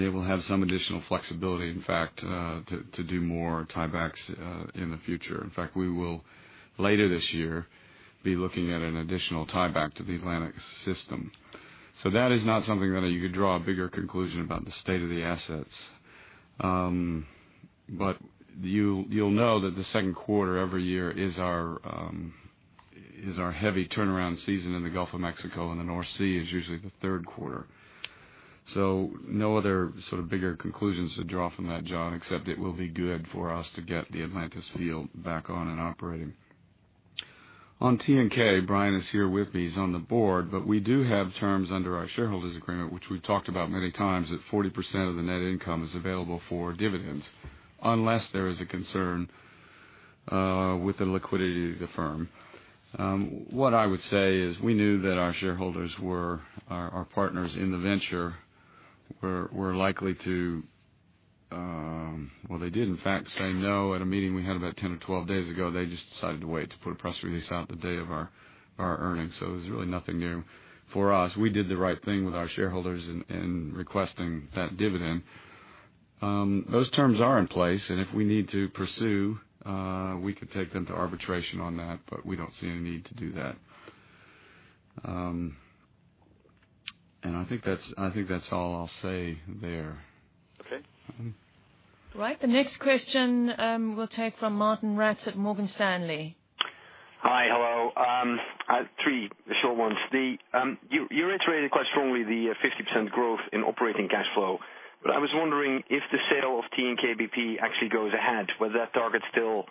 it will have some additional flexibility, in fact, to do more tiebacks in the future. In fact, we will, later this year, be looking at an additional tieback to the Atlantis system. That is not something that you could draw a bigger conclusion about the state of the assets. You'll know that the second quarter every year is our heavy turnaround season in the Gulf of Mexico, the North Sea is usually the third quarter. No other sort of bigger conclusions to draw from that, Jon, except it will be good for us to get the Atlantis field back on and operating. On TNK, Brian is here with me. He's on the board. We do have terms under our shareholders agreement, which we've talked about many times, that 40% of the net income is available for dividends unless there is a concern with the liquidity of the firm. What I would say is we knew that our shareholders were our partners in the venture, were likely to. Well, they did, in fact, say no at a meeting we had about 10 or 12 days ago. They just decided to wait to put a press release out the day of our earnings. It was really nothing new for us. We did the right thing with our shareholders in requesting that dividend. Those terms are in place. If we need to pursue, we could take them to arbitration on that, but we don't see any need to do that. I think that's all I'll say there. Okay. Right. The next question we'll take from Martijn Rats at Morgan Stanley. Hi. Hello. I have three short ones. You reiterated quite strongly the 50% growth in operating cash flow, but I was wondering if the sale of TNK-BP actually goes ahead, whether that target still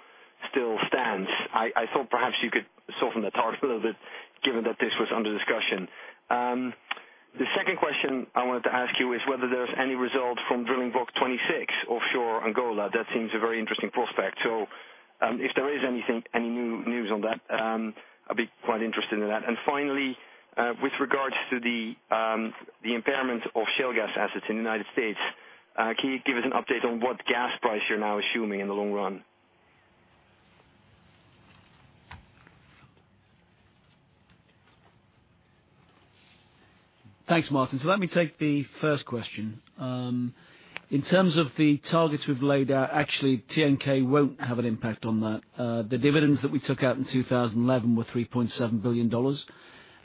stands. I thought perhaps you could soften the target a little bit given that this was under discussion. The second question I wanted to ask you is whether there's any result from drilling block 26 offshore Angola. That seems a very interesting prospect. If there is any new news on that, I'd be quite interested in that. Finally, with regards to the impairment of shale gas assets in the U.S., can you give us an update on what gas price you're now assuming in the long run? Thanks, Martijn. Let me take the first question. In terms of the targets we've laid out, actually, TNK won't have an impact on that. The dividends that we took out in 2011 were $3.7 billion,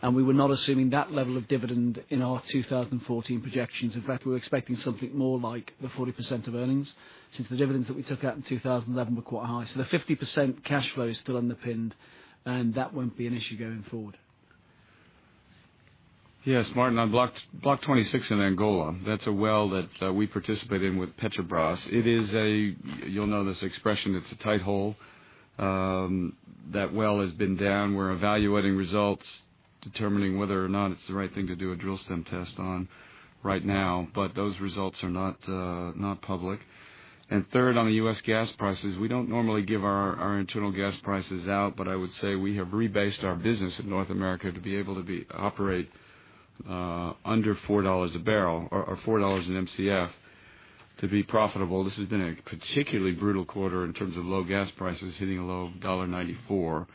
and we were not assuming that level of dividend in our 2014 projections. In fact, we were expecting something more like the 40% of earnings, since the dividends that we took out in 2011 were quite high. The 50% cash flow is still underpinned, and that won't be an issue going forward. Yes, Martijn, on Block 26 in Angola, that's a well that we participate in with Petrobras. You'll know this expression, it's a tight hole. That well has been down. We're evaluating results, determining whether or not it's the right thing to do a drill stem test on right now. Those results are not public. Third, on the U.S. gas prices, we don't normally give our internal gas prices out, but I would say we have rebased our business in North America to be able to operate under $4 a barrel or $4 an MCF to be profitable. This has been a particularly brutal quarter in terms of low gas prices hitting a low of $1.94.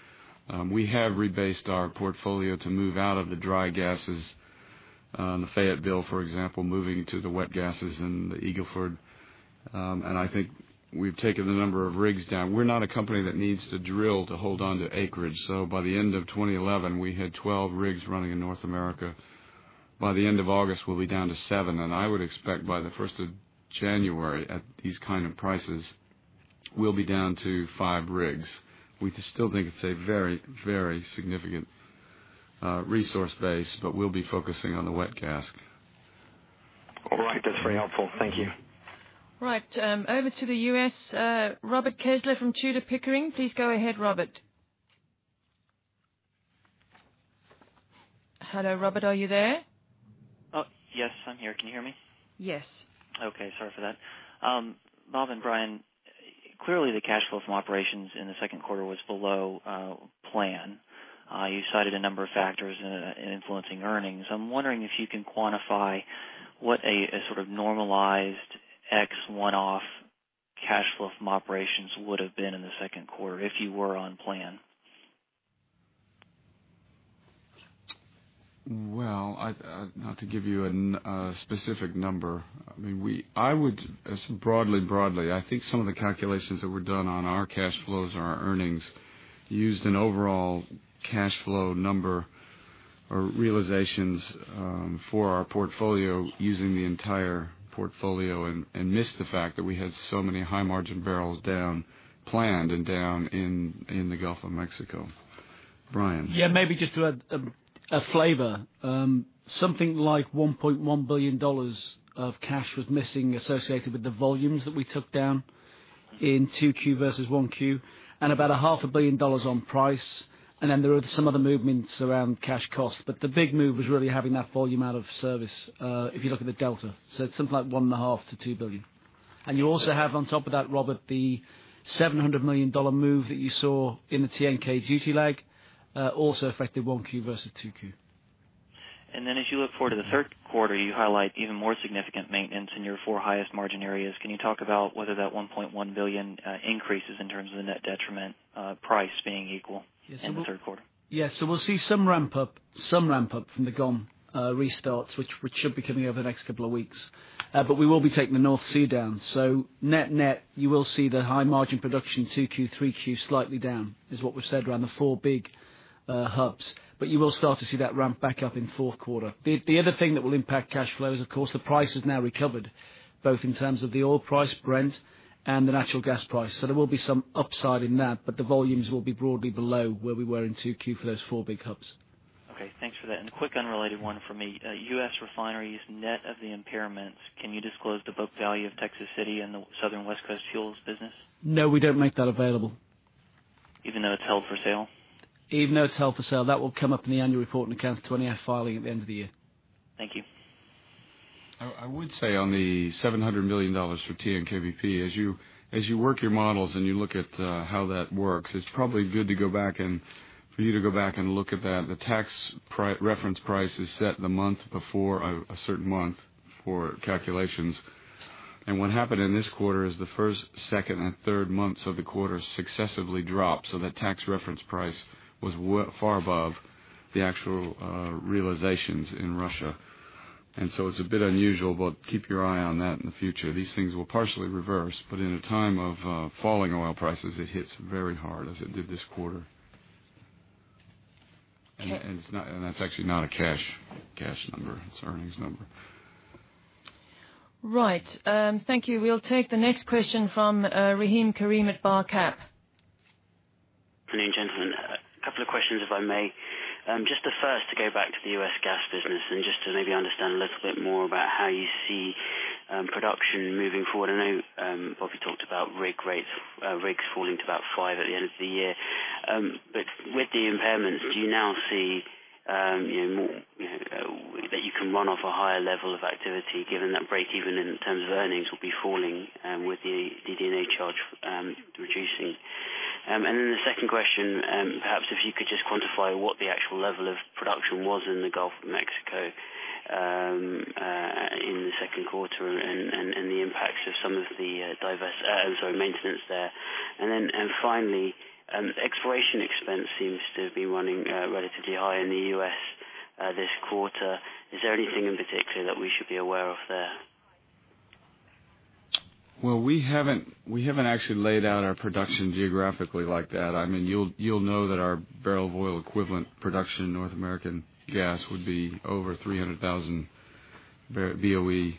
We have rebased our portfolio to move out of the dry gases, the Fayetteville, for example, moving to the wet gases in the Eagle Ford. I think we've taken the number of rigs down. We're not a company that needs to drill to hold on to acreage. By the end of 2011, we had 12 rigs running in North America. By the end of August, we'll be down to seven. I would expect by the 1st of January, at these kind of prices, we'll be down to five rigs. We still think it's a very, very significant resource base, but we'll be focusing on the wet gas. All right. That's very helpful. Thank you. Right. Over to the U.S., Robert Kessler from Tudor, Pickering. Please go ahead, Robert. Hello, Robert, are you there? Yes, I'm here. Can you hear me? Yes. Okay, sorry for that. Bob and Brian, clearly the cash flow from operations in the second quarter was below plan. You cited a number of factors influencing earnings. I'm wondering if you can quantify what a sort of normalized ex-one-off cash flow from operations would've been in the second quarter if you were on plan. Well, not to give you a specific number. Broadly, I think some of the calculations that were done on our cash flows and our earnings used an overall cash flow number or realizations for our portfolio using the entire portfolio and missed the fact that we had so many high-margin barrels down planned and down in the Gulf of Mexico. Brian? Yeah, maybe just to add a flavor. Something like $1.1 billion of cash was missing associated with the volumes that we took down in 2Q versus 1Q, about a half a billion dollars on price. Then there are some other movements around cash cost. The big move was really having that volume out of service, if you look at the delta. It's something like $1.5 billion-$2 billion. You also have on top of that, Robert, the $700 million move that you saw in the TNK duty lag, also affected 1Q versus 2Q. As you look forward to the third quarter, you highlight even more significant maintenance in your four highest margin areas. Can you talk about whether that $1.1 billion increases in terms of the net detriment price being equal in the third quarter? Yes. We'll see some ramp-up from the Gom restarts, which should be coming over the next couple of weeks. We will be taking the North Sea down. Net, you will see the high margin production 2Q, 3Q slightly down, is what we've said around the four big hubs. You will start to see that ramp back up in fourth quarter. The other thing that will impact cash flow is, of course, the price has now recovered, both in terms of the oil price, Brent, and the natural gas price. There will be some upside in that, the volumes will be broadly below where we were in 2Q for those four big hubs. Okay, thanks for that. A quick unrelated one for me. U.S. refineries, net of the impairments, can you disclose the book value of Texas City and the Southern West Coast fuels business? No, we don't make that available. Even though it's held for sale? Even though it's held for sale. That will come up in the annual report and accounts 20-F filing at the end of the year. Thank you. I would say on the $700 million for TNK-BP, as you work your models and you look at how that works, it's probably good for you to go back and look at that. The tax reference price is set the month before a certain month for calculations. What happened in this quarter is the first, second, and third months of the quarter successively dropped. That tax reference price was far above the actual realizations in Russia. It's a bit unusual, but keep your eye on that in the future. These things will partially reverse, but in a time of falling oil prices, it hits very hard, as it did this quarter. That's actually not a cash number, it's an earnings number. Right. Thank you. We'll take the next question from Rahim Karim at Barcap. Good evening, gentlemen. A couple of questions, if I may. Just the first, to go back to the U.S. gas business and just to maybe understand a little bit more about how you see production moving forward. I know Bob, you talked about rigs falling to about five at the end of the year. With the impairments, do you now see that you can run off a higher level of activity given that break even in terms of earnings will be falling with the DD&A charge reducing? The second question, perhaps if you could just quantify what the actual level of production was in the Gulf of Mexico in the second quarter and the impacts of some of the maintenance there. Finally, exploration expense seems to be running relatively high in the U.S. this quarter. Is there anything in particular that we should be aware of there? Well, we haven't actually laid out our production geographically like that. You'll know that our barrel of oil equivalent production in North American gas would be over 300,000 BOE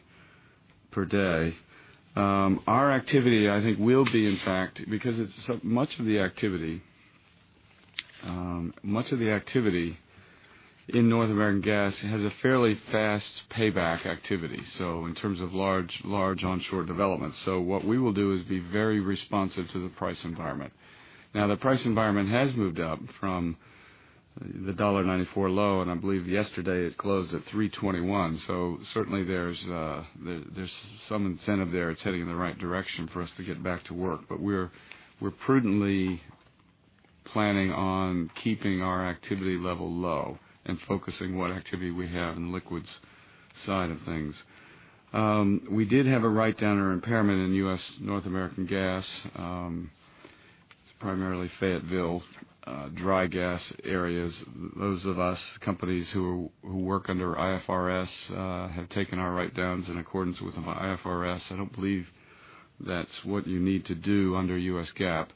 per day. Our activity, I think will be, in fact, because much of the activity in North American Gas has a fairly fast payback activity, so in terms of large onshore development. What we will do is be very responsive to the price environment. The price environment has moved up from the $1.94 low, and I believe yesterday it closed at $3.21. Certainly, there's some incentive there. It's heading in the right direction for us to get back to work. We're prudently planning on keeping our activity level low and focusing on what activity we have in liquids side of things. We did have a writedown or impairment in U.S. North American Gas. It's primarily Fayetteville dry gas areas. Those of us, companies who work under IFRS, have taken our writedowns in accordance with IFRS. I don't believe that's what you need to do under US GAAP.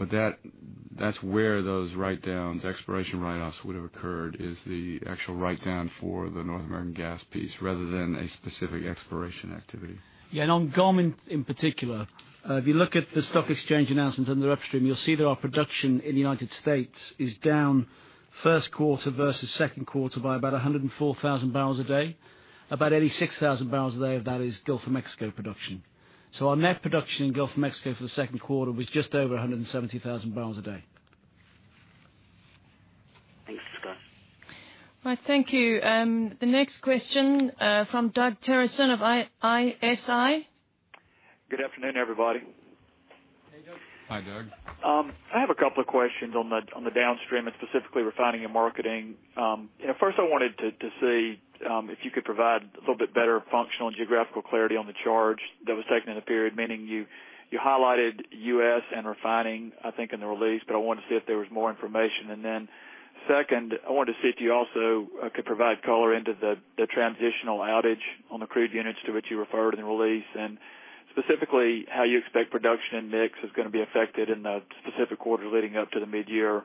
That's where those writedowns, exploration write-offs would have occurred, is the actual writedown for the North American gas piece, rather than a specific exploration activity. Yeah, on GOM, in particular, if you look at the stock exchange announcement under the upstream, you'll see that our production in the United States is down first quarter versus second quarter by about 104,000 barrels a day. About 86,000 barrels a day of that is Gulf of Mexico production. Our net production in Gulf of Mexico for the second quarter was just over 170,000 barrels a day. Thanks, Brian. Right. Thank you. The next question from Doug Terreson of ISI. Good afternoon, everybody. Hey, Doug. Hi, Doug. I have a couple of questions on the downstream and specifically refining and marketing. First, I wanted to see if you could provide a little bit better functional and geographical clarity on the charge that was taken in the period, meaning you highlighted U.S. and refining, I think, in the release, but I wanted to see if there was more information. Then second, I wanted to see if you also could provide color into the transitional outage on the crude units to which you referred in the release, and specifically how you expect production and mix is going to be affected in the specific quarter leading up to the mid-year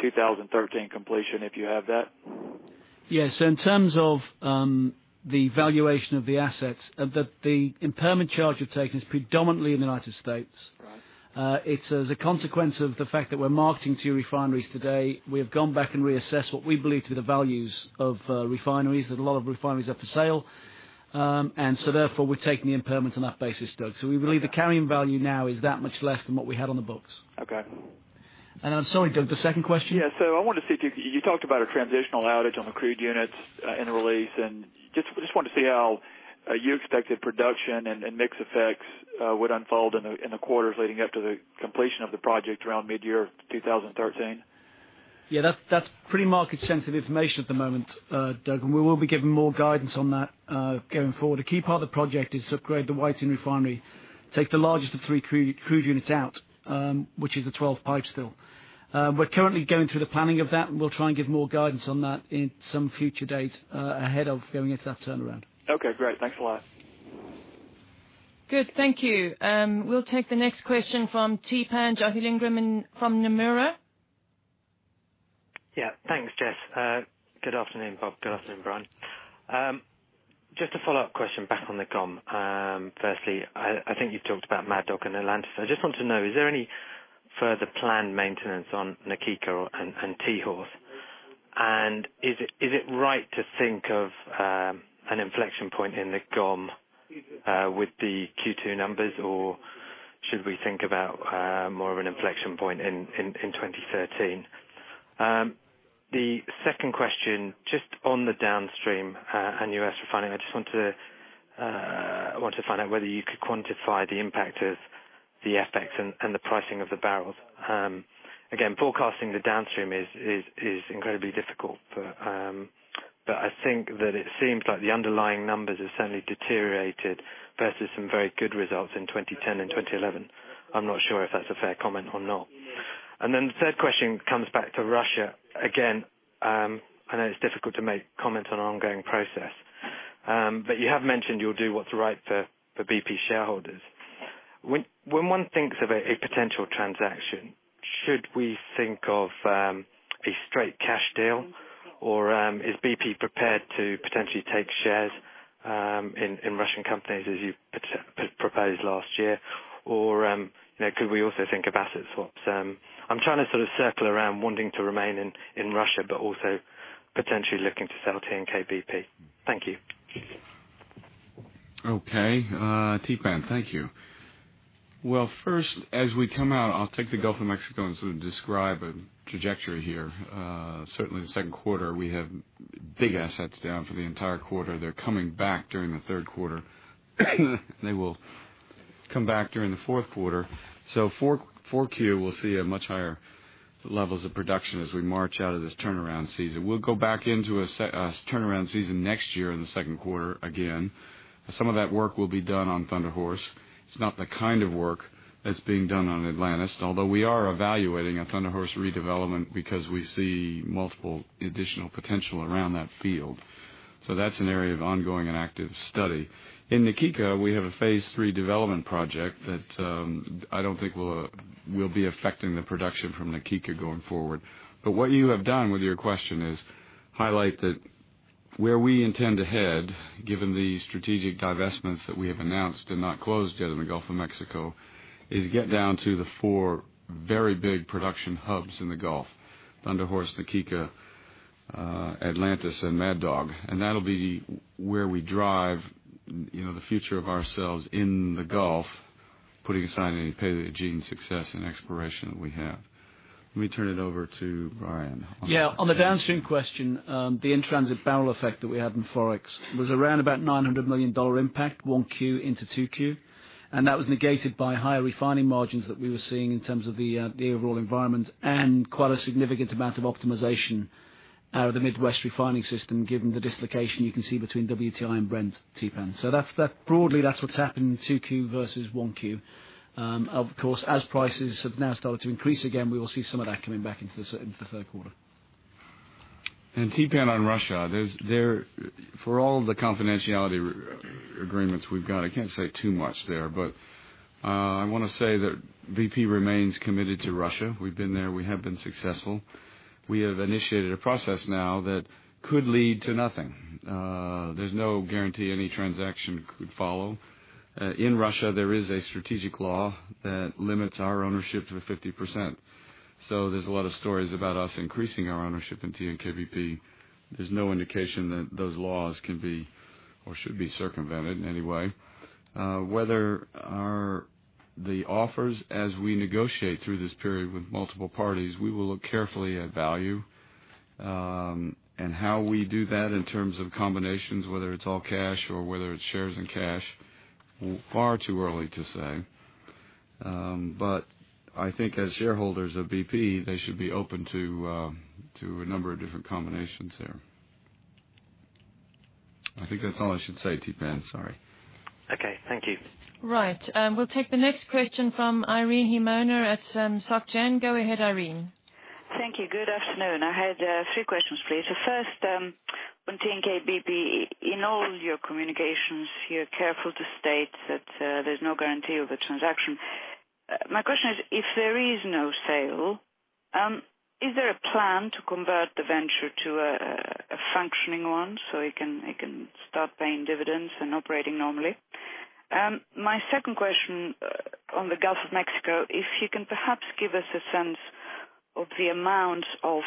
2013 completion, if you have that. Yes. In terms of the valuation of the assets, the impairment charge we've taken is predominantly in the U.S. Right. It's as a consequence of the fact that we're marketing two refineries today. We have gone back and reassessed what we believe to be the values of refineries, that a lot of refineries are for sale. Therefore, we're taking the impairment on that basis, Doug. We believe the carrying value now is that much less than what we had on the books. Okay. I'm sorry, Doug, the second question. Yeah. I wanted to see, you talked about a transitional outage on the crude units in the release, and just wanted to see how you expected production and mix effects would unfold in the quarters leading up to the completion of the project around mid-year 2013. That's pretty market-sensitive information at the moment, Doug, we will be giving more guidance on that going forward. A key part of the project is to upgrade the Whiting Refinery, take the largest of three crude units out, which is the Pipestill 12. We're currently going through the planning of that, we'll try and give more guidance on that in some future date ahead of going into that turnaround. Great. Thanks a lot. Thank you. We'll take the next question from Theepan Jothilingam from Nomura. Thanks, Jess. Good afternoon, Bob. Good afternoon, Brian. Just a follow-up question back on the GOM. Firstly, I think you talked about Mad Dog and Atlantis. I just want to know, is there any further planned maintenance on Na Kika and Thunder Horse? Is it right to think of an inflection point in the GOM with the Q2 numbers, or should we think about more of an inflection point in 2013? The second question, just on the downstream and U.S. refining, I just want to find out whether you could quantify the impact of the FX and the pricing of the barrels. Again, forecasting the downstream is incredibly difficult. I think that it seems like the underlying numbers have certainly deteriorated versus some very good results in 2010 and 2011. I'm not sure if that's a fair comment or not. The third question comes back to Russia. Again, I know it's difficult to make comments on an ongoing process. You have mentioned you'll do what's right for BP shareholders. When one thinks of a potential transaction, should we think of a straight cash deal, or is BP prepared to potentially take shares in Russian companies as you proposed last year? Could we also think of asset swaps? I'm trying to sort of circle around wanting to remain in Russia, but also potentially looking to sell TNK-BP. Thank you. Okay. Tapan, thank you. Well, first, as we come out, I'll take the Gulf of Mexico and sort of describe a trajectory here. Certainly, the second quarter, we have big assets down for the entire quarter. They're coming back during the third quarter. They will come back during the fourth quarter. 4Q will see much higher levels of production as we march out of this turnaround season. We'll go back into a turnaround season next year in the second quarter again. Some of that work will be done on Thunder Horse. It's not the kind of work that's being done on Atlantis, although we are evaluating a Thunder Horse redevelopment because we see multiple additional potential around that field. That's an area of ongoing and active study. In Na Kika, we have a phase 3 development project that I don't think will be affecting the production from Na Kika going forward. What you have done with your question is highlight Where we intend to head, given the strategic divestments that we have announced and not closed yet in the Gulf of Mexico, is get down to the four very big production hubs in the Gulf, Thunder Horse, Na Kika, Atlantis, and Mad Dog. That'll be where we drive the future of ourselves in the Gulf, putting aside any Paleogene success and exploration that we have. Let me turn it over to Brian. Yeah. On the downstream question, the in-transit barrel effect that we had in Forex was around about $900 million impact, 1Q into 2Q. That was negated by higher refining margins that we were seeing in terms of the overall environment, and quite a significant amount of optimization out of the Midwest refining system, given the dislocation you can see between WTI and Brent, Tapan. Broadly, that's what's happened in 2Q versus 1Q. Of course, as prices have now started to increase again, we will see some of that coming back into the third quarter. Tapan, on Russia, for all the confidentiality agreements we've got, I can't say too much there. I want to say that BP remains committed to Russia. We've been there. We have been successful. We have initiated a process now that could lead to nothing. There's no guarantee any transaction could follow. In Russia, there is a strategic law that limits our ownership to 50%. There's a lot of stories about us increasing our ownership in TNK-BP. There's no indication that those laws can be or should be circumvented in any way. Whether the offers, as we negotiate through this period with multiple parties, we will look carefully at value and how we do that in terms of combinations, whether it's all cash or whether it's shares and cash, far too early to say. I think as shareholders of BP, they should be open to a number of different combinations there. I think that's all I should say, Tapan. Sorry. Okay. Thank you. Right. We'll take the next question from Irene Himona at SocGen. Go ahead, Irene. Thank you. Good afternoon. I had three questions, please. The first, on TNK-BP. In all your communications, you're careful to state that there's no guarantee of a transaction. My question is, if there is no sale, is there a plan to convert the venture to a functioning one so it can start paying dividends and operating normally? My second question on the Gulf of Mexico, if you can perhaps give us a sense of the amount of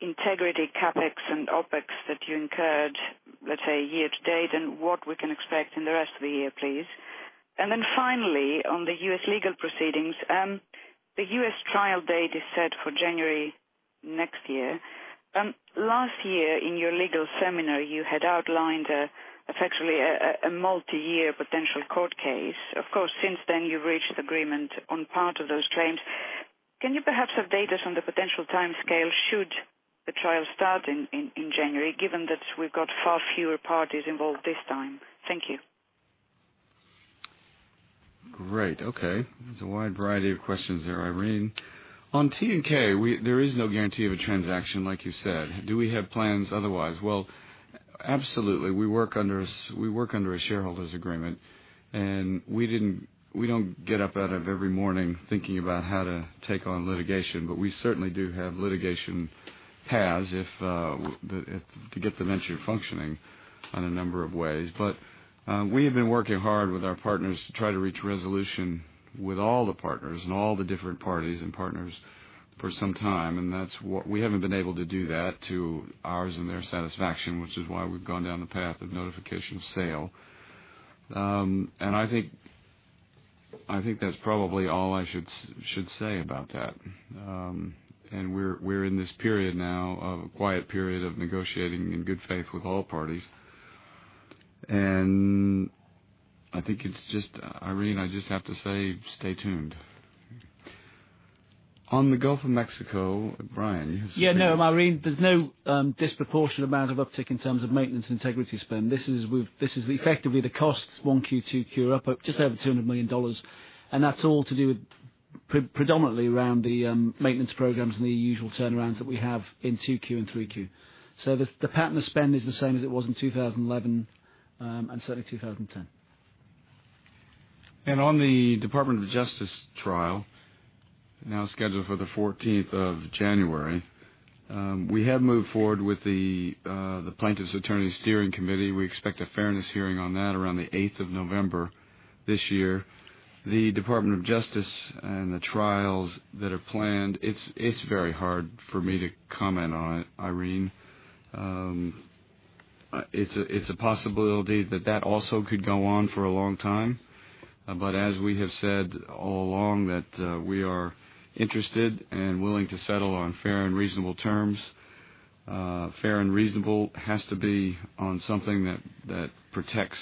integrity CapEx and OpEx that you incurred, let's say year to date, and what we can expect in the rest of the year, please. Finally, on the U.S. legal proceedings, the U.S. trial date is set for January next year. Last year in your legal seminar, you had outlined effectually a multi-year potential court case. Of course, since then, you've reached agreement on part of those claims. Can you perhaps update us on the potential timescale should the trial start in January, given that we've got far fewer parties involved this time? Thank you. Great. Okay. There's a wide variety of questions there, Irene. On TNK, there is no guarantee of a transaction, like you said. Do we have plans otherwise? Well, absolutely. We work under a shareholders' agreement. We don't get up out of every morning thinking about how to take on litigation. We certainly do have litigation paths to get the venture functioning on a number of ways. We have been working hard with our partners to try to reach resolution with all the partners and all the different parties and partners for some time. We haven't been able to do that to ours and their satisfaction, which is why we've gone down the path of notification of sale. I think that's probably all I should say about that. We're in this period now of a quiet period of negotiating in good faith with all parties. I think, Irene, I just have to say, stay tuned. On the Gulf of Mexico, Brian, you have some things. Yeah. No, Irene, there's no disproportionate amount of uptick in terms of maintenance integrity spend. This is effectively the costs 1Q, 2Q are up just over $200 million, and that's all to do predominantly around the maintenance programs and the usual turnarounds that we have in 2Q and 3Q. The pattern of spend is the same as it was in 2011, and certainly 2010. On the Department of Justice trial, now scheduled for the 14th of January, we have moved forward with the plaintiffs' steering committee. We expect a fairness hearing on that around the 8th of November this year. The Department of Justice and the trials that are planned, it's very hard for me to comment on it, Irene. It's a possibility that that also could go on for a long time. As we have said all along, that we are interested and willing to settle on fair and reasonable terms. Fair and reasonable has to be on something that protects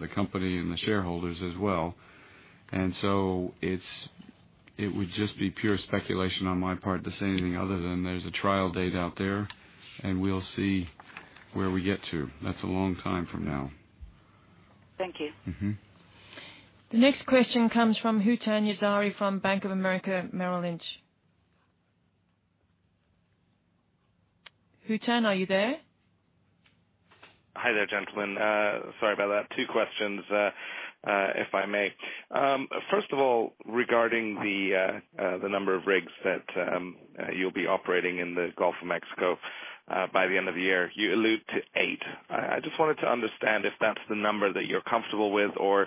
the company and the shareholders as well. It would just be pure speculation on my part to say anything other than there's a trial date out there, and we'll see where we get to. That's a long time from now. Thank you. The next question comes from Hootan Yazhari from Bank of America Merrill Lynch. Hootan, are you there? Hi there, gentlemen. Sorry about that. Two questions, if I may. First of all, regarding the number of rigs that you'll be operating in the Gulf of Mexico by the end of the year, you allude to eight. I just wanted to understand if that's the number that you're comfortable with, or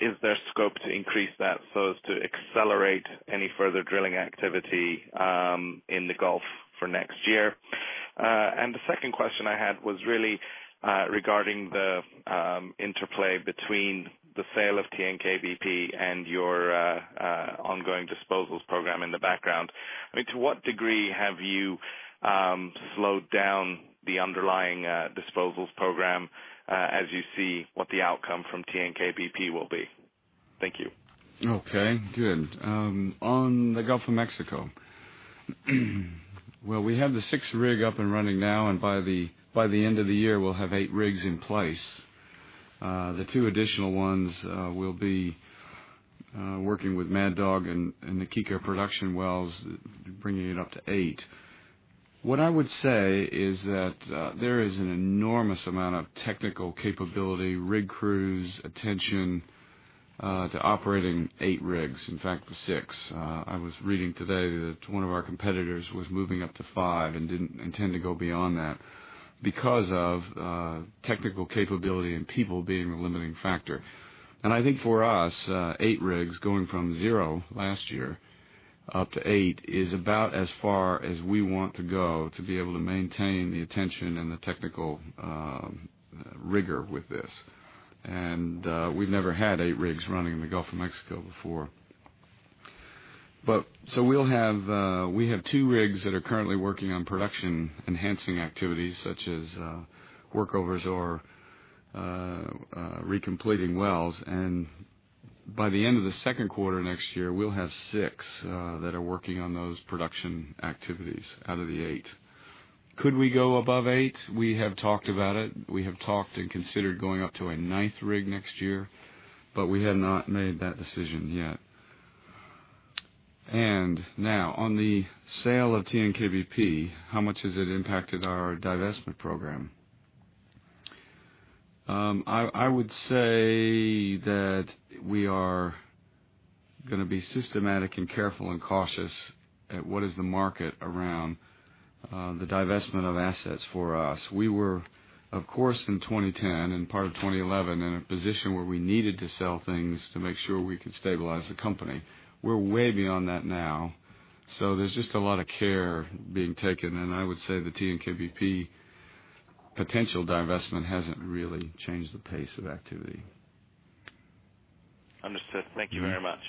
is there scope to increase that so as to accelerate any further drilling activity in the Gulf for next year? The second question I had was really regarding the interplay between the sale of TNK-BP and your ongoing disposals program in the background. To what degree have you slowed down the underlying disposals program as you see what the outcome from TNK-BP will be? Thank you. Okay, good. On the Gulf of Mexico, well, we have the sixth rig up and running now, and by the end of the year, we'll have eight rigs in place. The two additional ones will be working with Mad Dog and the Na Kika production wells, bringing it up to eight. What I would say is that there is an enormous amount of technical capability, rig crews, attention to operating eight rigs, in fact, the six. I was reading today that one of our competitors was moving up to five and didn't intend to go beyond that because of technical capability and people being the limiting factor. I think for us, eight rigs, going from zero last year up to eight, is about as far as we want to go to be able to maintain the attention and the technical rigor with this. We've never had eight rigs running in the Gulf of Mexico before. We have two rigs that are currently working on production-enhancing activities, such as workovers or recompleting wells, and by the end of the second quarter next year, we'll have six that are working on those production activities out of the eight. Could we go above eight? We have talked about it. We have talked and considered going up to a ninth rig next year, but we have not made that decision yet. Now on the sale of TNK-BP, how much has it impacted our divestment program? I would say that we are going to be systematic and careful and cautious at what is the market around the divestment of assets for us. We were, of course, in 2010 and part of 2011, in a position where we needed to sell things to make sure we could stabilize the company. We're way beyond that now. There's just a lot of care being taken, and I would say the TNK-BP potential divestment hasn't really changed the pace of activity. Understood. Thank you very much.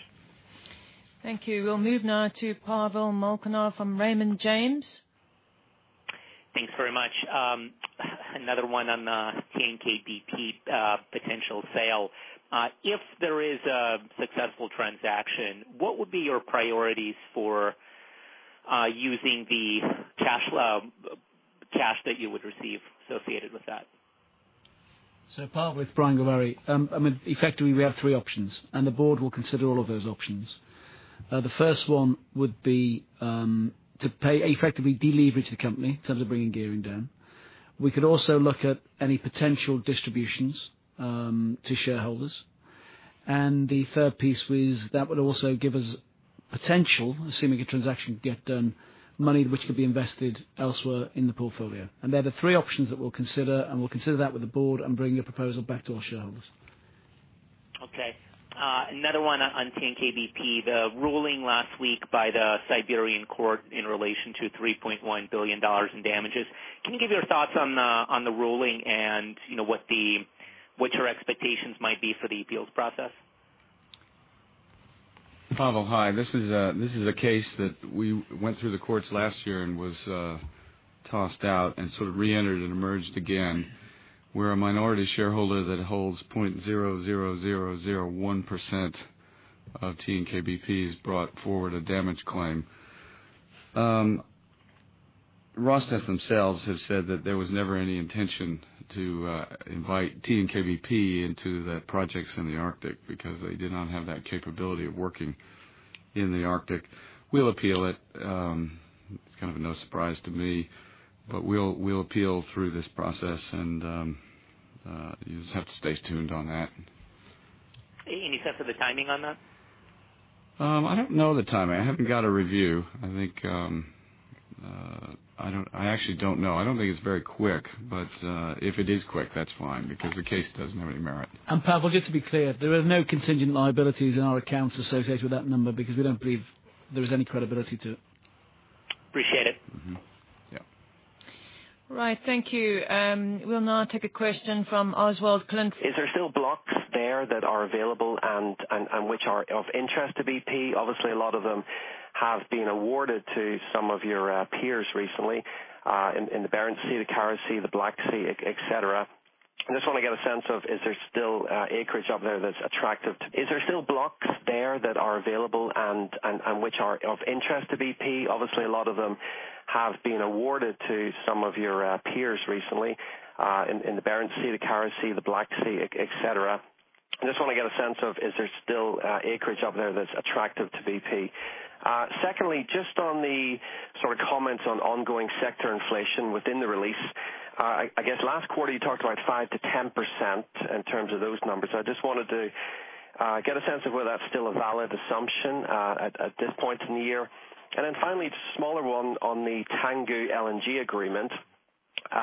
Thank you. We'll move now to Pavel Molchanov from Raymond James. Thanks very much. Another one on the TNK-BP potential sale. If there is a successful transaction, what would be your priorities for using the cash that you would receive associated with that? Pavel, it's Brian Gilvary. Effectively, we have three options, and the board will consider all of those options. The first one would be to effectively deleverage the company in terms of bringing gearing down. We could also look at any potential distributions to shareholders. The third piece is that would also give us potential, assuming a transaction could get done, money which could be invested elsewhere in the portfolio. They're the three options that we'll consider, and we'll consider that with the board and bring the proposal back to our shareholders. Okay. Another one on TNK-BP. The ruling last week by the Siberian court in relation to $3.1 billion in damages. Can you give your thoughts on the ruling, and what your expectations might be for the appeals process? Pavel, hi. This is a case that we went through the courts last year and was tossed out and sort of reentered and emerged again, where a minority shareholder that holds 0.00001% of TNK-BP has brought forward a damage claim. Rosneft themselves have said that there was never any intention to invite TNK-BP into the projects in the Arctic because they did not have that capability of working in the Arctic. We'll appeal it. It's kind of a no surprise to me, but we'll appeal through this process, and you just have to stay tuned on that. Any sense of the timing on that? I don't know the timing. I haven't got a review. I actually don't know. I don't think it's very quick, but if it is quick, that's fine, because the case doesn't have any merit. Pavel, just to be clear, there are no contingent liabilities in our accounts associated with that number because we don't believe there is any credibility to it. Appreciate it. Yeah. Right. Thank you. We'll now take a question from Oswald Clint. Is there still blocks there that are available and which are of interest to BP? Obviously, a lot of them have been awarded to some of your peers recently, in the Barents Sea, the Kara Sea, the Black Sea, et cetera. I just want to get a sense of, is there still acreage up there that's attractive. Is there still blocks there that are available and which are of interest to BP? Obviously, a lot of them have been awarded to some of your peers recently, in the Barents Sea, the Kara Sea, the Black Sea, et cetera. I just want to get a sense of, is there still acreage up there that's attractive to BP? Secondly, just on the sort of comments on ongoing sector inflation within the release. I guess last quarter you talked about 5%-10% in terms of those numbers. I just wanted to get a sense of whether that's still a valid assumption at this point in the year. Finally, just a smaller one on the Tangguh LNG agreement.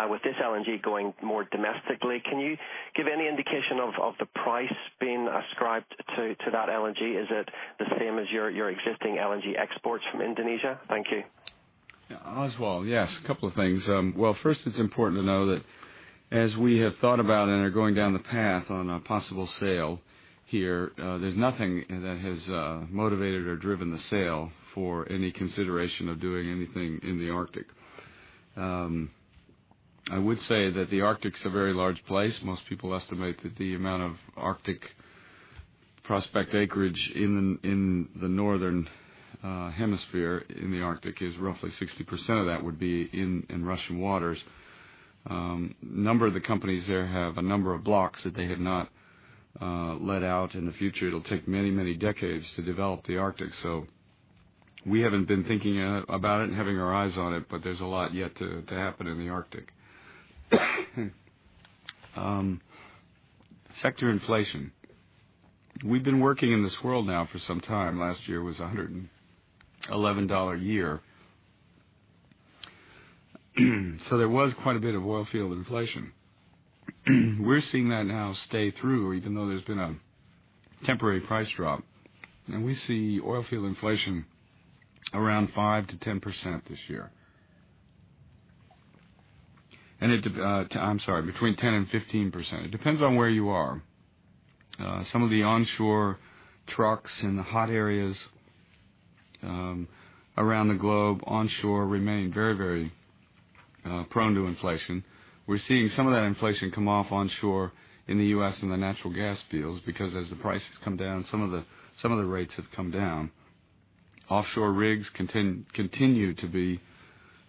With this LNG going more domestically, can you give any indication of the price being ascribed to that LNG? Is it the same as your existing LNG exports from Indonesia? Thank you. Yeah, Oswald. Yes, a couple of things. Well, first, it's important to know that as we have thought about and are going down the path on a possible sale here, there's nothing that has motivated or driven the sale for any consideration of doing anything in the Arctic. I would say that the Arctic's a very large place. Most people estimate that the amount of Arctic prospect acreage in the Northern Hemisphere in the Arctic is roughly 60% of that would be in Russian waters. Number of the companies there have a number of blocks that they have not let out in the future. It'll take many, many decades to develop the Arctic. We haven't been thinking about it and having our eyes on it, but there's a lot yet to happen in the Arctic. Sector inflation. We've been working in this world now for some time. Last year was $111 a year. There was quite a bit of oil field inflation. We're seeing that now stay through, even though there's been a temporary price drop. We see oil field inflation around 5%-10% this year. I'm sorry, between 10% and 15%. It depends on where you are. Some of the onshore trucks in the hot areas around the globe, onshore remain very prone to inflation. We're seeing some of that inflation come off onshore in the U.S. in the natural gas fields, because as the prices come down, some of the rates have come down. Offshore rigs continue to be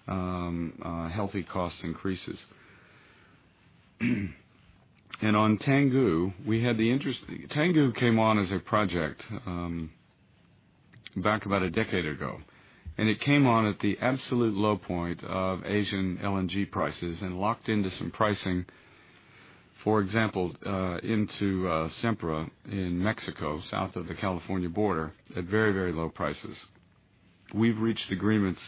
healthy cost increases. On Tangguh came on as a project back about a decade ago, it came on at the absolute low point of Asian LNG prices and locked into some pricing, for example, into Sempra in Mexico, south of the California border, at very, very low prices. We've reached agreements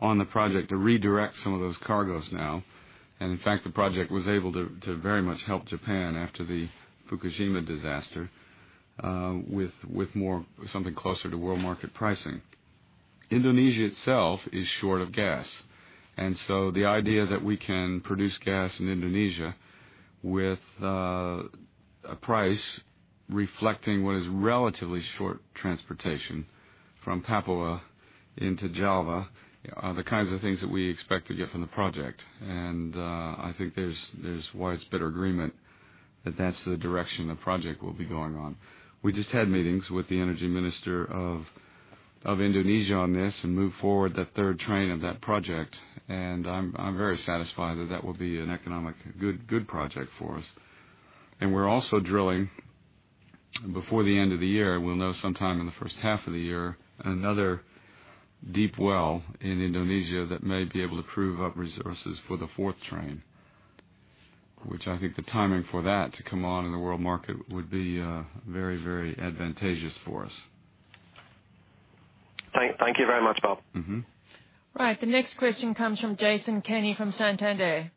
on the project to redirect some of those cargoes now, in fact, the project was able to very much help Japan after the Fukushima disaster, with something closer to world market pricing. Indonesia itself is short of gas, the idea that we can produce gas in Indonesia with a price reflecting what is relatively short transportation from Papua into Java are the kinds of things that we expect to get from the project. I think there's widespread agreement that that's the direction the project will be going on. We just had meetings with the energy minister of Indonesia on this moved forward that third train of that project, I'm very satisfied that that will be an economic good project for us. We're also drilling before the end of the year, we'll know sometime in the first half of the year, another deep well in Indonesia that may be able to prove up resources for the fourth train. Which I think the timing for that to come on in the world market would be very advantageous for us. Thank you very much, Bob. Right. The next question comes from Jason Kenney from Santander.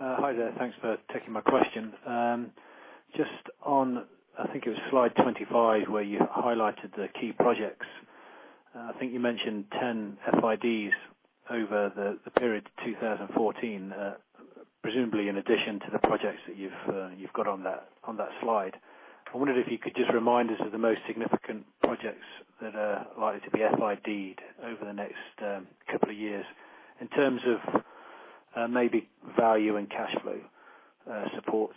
Hi there. Thanks for taking my question. Just on, I think it was slide 25, where you highlighted the key projects. I think you mentioned 10 FIDs over the period to 2014, presumably in addition to the projects that you've got on that slide. I wondered if you could just remind us of the most significant projects that are likely to be FID'd over the next couple of years in terms of maybe value and cash flow support.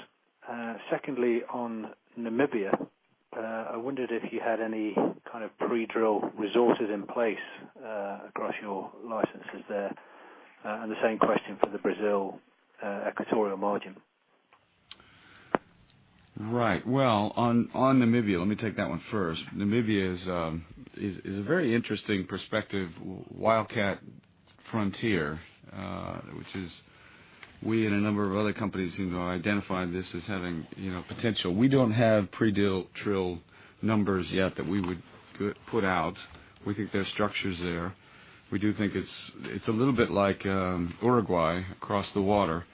Secondly, on Namibia, I wondered if you had any kind of pre-drill resources in place across your licenses there. The same question for the Brazil Equatorial margin. Right. Well, on Namibia, let me take that one first. Namibia is a very interesting perspective, wildcat frontier, which is we and a number of other companies identify this as having potential. We don't have pre-drill numbers yet that we would put out. We think there are structures there. We do think it's a little bit like Uruguay across the water,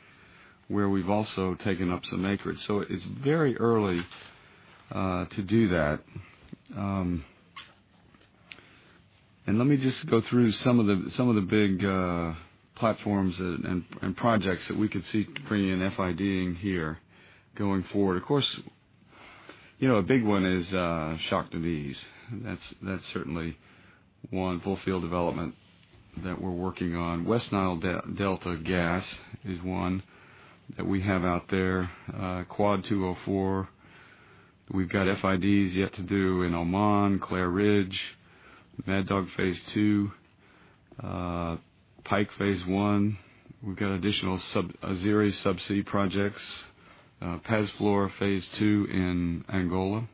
where we've also taken up some acreage. It's very early to do that. Let me just go through some of the big platforms and projects that we could see bringing in FID in here going forward. Of course, a big one is Shah Deniz. That's certainly one full field development that we're working on. West Nile Delta Gas is one that we have out there. Quad 204. We've got FIDs yet to do in Oman, Clair Ridge, Mad Dog Phase 2, Pike Phase 1. We've got additional Azeri sub-sea projects, Paz Flor Phase 2 in Angola.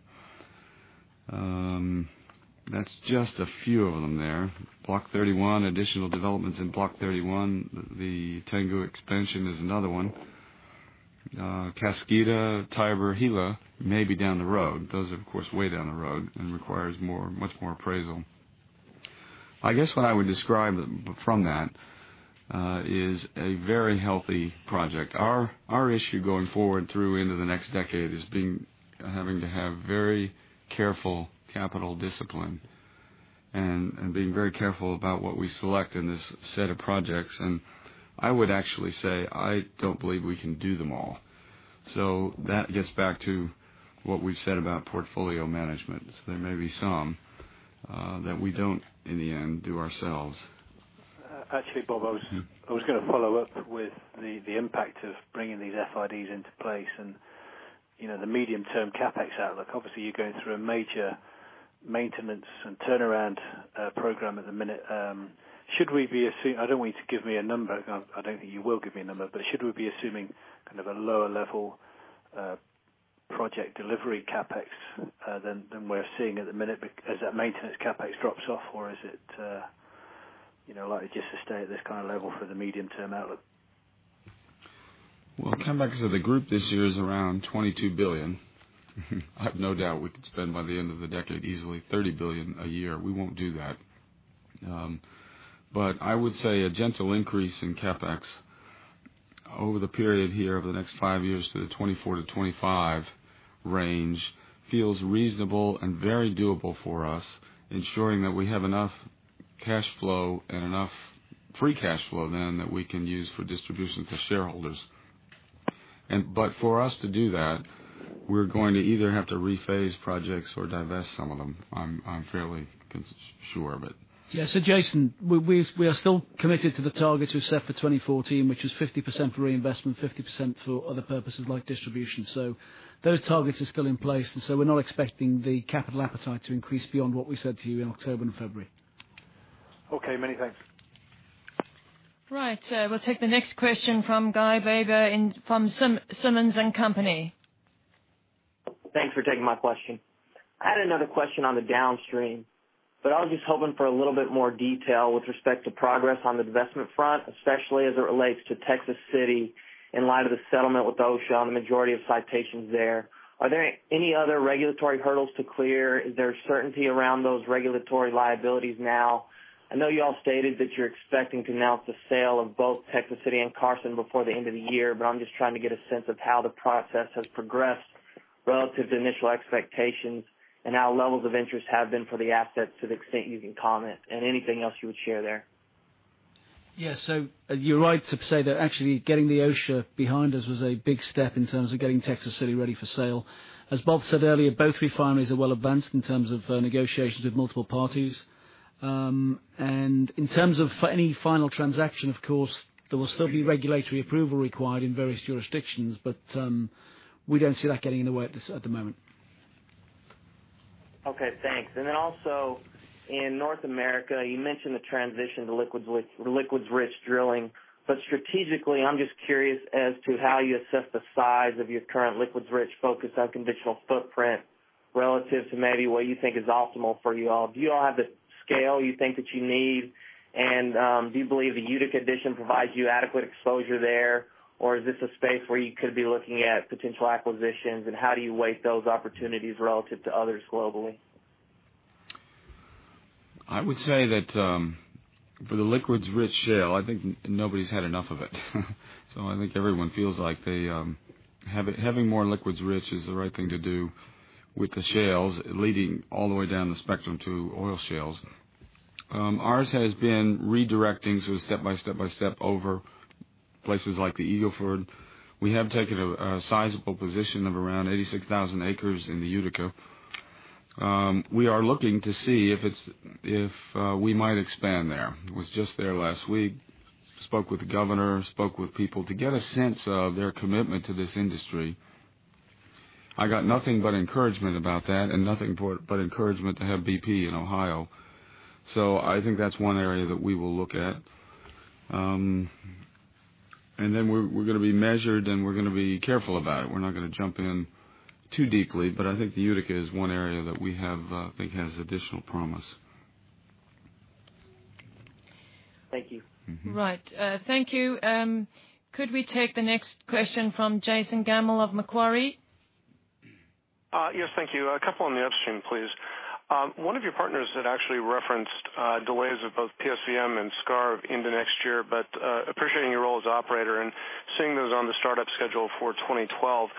That's just a few of them there. Block 31, additional developments in Block 31. The Tangguh expansion is another one. Kaskida, Tiber, Gila may be down the road. Those, of course, way down the road and requires much more appraisal. I guess what I would describe from that is a very healthy project. Our issue going forward through into the next decade is having to have very careful capital discipline and being very careful about what we select in this set of projects. I would actually say, I don't believe we can do them all. That gets back to what we've said about portfolio management. There may be some that we don't, in the end, do ourselves. Actually, Bob, I was going to follow up with the impact of bringing these FIDs into place and the medium-term CapEx outlook. Obviously, you're going through a major maintenance and turnaround program at the minute. I don't want you to give me a number. I don't think you will give me a number, but should we be assuming kind of a lower level project delivery CapEx than we're seeing at the minute as that maintenance CapEx drops off? Or is it likely just to stay at this kind of level for the medium-term outlook? CapEx of the group this year is around $22 billion. I have no doubt we could spend, by the end of the decade, easily $30 billion a year. We won't do that. I would say a gentle increase in CapEx over the period here, over the next five years to the $24 billion-$25 billion range feels reasonable and very doable for us, ensuring that we have enough cash flow and enough free cash flow then that we can use for distribution to shareholders. For us to do that, we're going to either have to re-phase projects or divest some of them. I'm fairly sure of it. Jason, we are still committed to the targets we set for 2014, which is 50% for reinvestment, 50% for other purposes like distribution. Those targets are still in place, we're not expecting the capital appetite to increase beyond what we said to you in October and February. Many thanks. We'll take the next question from Guy Baber from Simmons & Company. Thanks for taking my question. I had another question on the downstream, I was just hoping for a little bit more detail with respect to progress on the divestment front, especially as it relates to Texas City in light of the settlement with OSHA on the majority of citations there. Are there any other regulatory hurdles to clear? Is there certainty around those regulatory liabilities now? I know you all stated that you're expecting to announce the sale of both Texas City and Carson before the end of the year, I'm just trying to get a sense of how the process has progressed relative to initial expectations and how levels of interest have been for the assets to the extent you can comment and anything else you would share there. Yeah. You're right to say that actually getting the OSHA behind us was a big step in terms of getting Texas City ready for sale. As Bob said earlier, both refineries are well advanced in terms of negotiations with multiple parties. In terms of any final transaction, of course, there will still be regulatory approval required in various jurisdictions, we don't see that getting in the way at the moment. Okay, thanks. Also in North America, you mentioned the transition to liquids-rich drilling. Strategically, I'm just curious as to how you assess the size of your current liquids-rich focus on conditional footprint relative to maybe what you think is optimal for you all. Do you all have the scale you think that you need? Do you believe the Utica addition provides you adequate exposure there? Is this a space where you could be looking at potential acquisitions? How do you weigh those opportunities relative to others globally? I would say that for the liquids-rich shale, I think nobody's had enough of it. I think everyone feels like having more liquids-rich is the right thing to do with the shales, leading all the way down the spectrum to oil shales. Ours has been redirecting, step by step by step, over places like the Eagle Ford. We have taken a sizable position of around 86,000 acres in the Utica. We are looking to see if we might expand there. Was just there last week, spoke with the governor, spoke with people to get a sense of their commitment to this industry. I got nothing but encouragement about that and nothing but encouragement to have BP in Ohio. I think that's one area that we will look at. We're going to be measured, and we're going to be careful about it. We're not going to jump in too deeply, but I think the Utica is one area that we have, I think has additional promise. Thank you. Right. Thank you. Could we take the next question from Jason Gammel of Macquarie? Yes, thank you. A couple on the upstream, please. One of your partners had actually referenced delays of both PSVM and Skarv into next year, but appreciating your role as operator and seeing those on the startup schedule for 2012,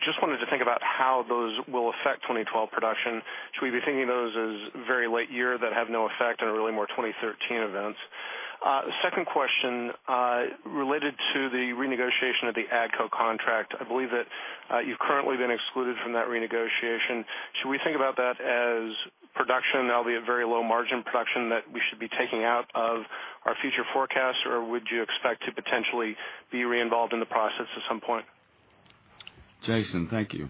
just wanted to think about how those will affect 2012 production. Should we be thinking of those as very late year that have no effect and are really more 2013 events? Second question, related to the renegotiation of the ADCO contract. I believe that you've currently been excluded from that renegotiation. Should we think about that as production, that'll be a very low margin production that we should be taking out of our future forecast, or would you expect to potentially be re-involved in the process at some point? Jason, thank you.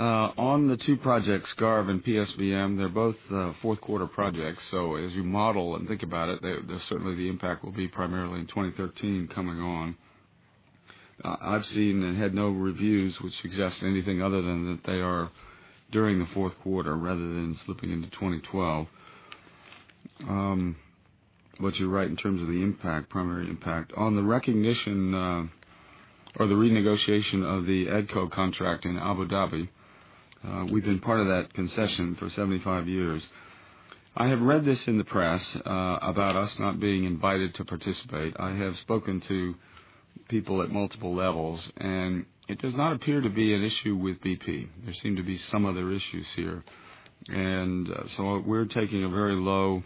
On the two projects, Skarv and PSVM, they're both fourth-quarter projects. As you model and think about it, certainly the impact will be primarily in 2013 coming on. I've seen and had no reviews which suggest anything other than that they are during the fourth quarter rather than slipping into 2012. You're right in terms of the primary impact. On the recognition or the renegotiation of the ADCO contract in Abu Dhabi, we've been part of that concession for 75 years. I have read this in the press about us not being invited to participate. I have spoken to people at multiple levels, and it does not appear to be an issue with BP. There seem to be some other issues here, we're taking a very low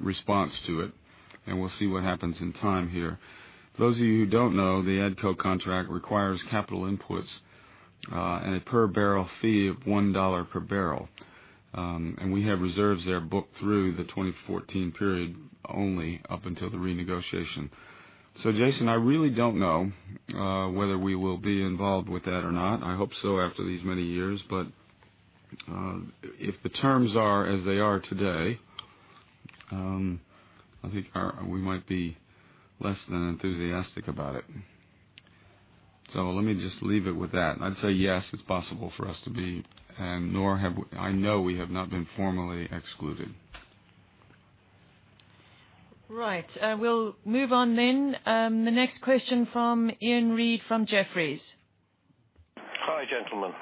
response to it, and we'll see what happens in time here. Those of you who don't know, the ADCO contract requires capital inputs at a per barrel fee of $1 per barrel. We have reserves there booked through the 2014 period only up until the renegotiation. Jason, I really don't know whether we will be involved with that or not. I hope so after these many years, but if the terms are as they are today, I think we might be less than enthusiastic about it. Let me just leave it with that. I'd say yes, it's possible for us to be, and I know we have not been formally excluded. Right. We'll move on then. The next question from Iain Reid from Jefferies. Hi, gentlemen.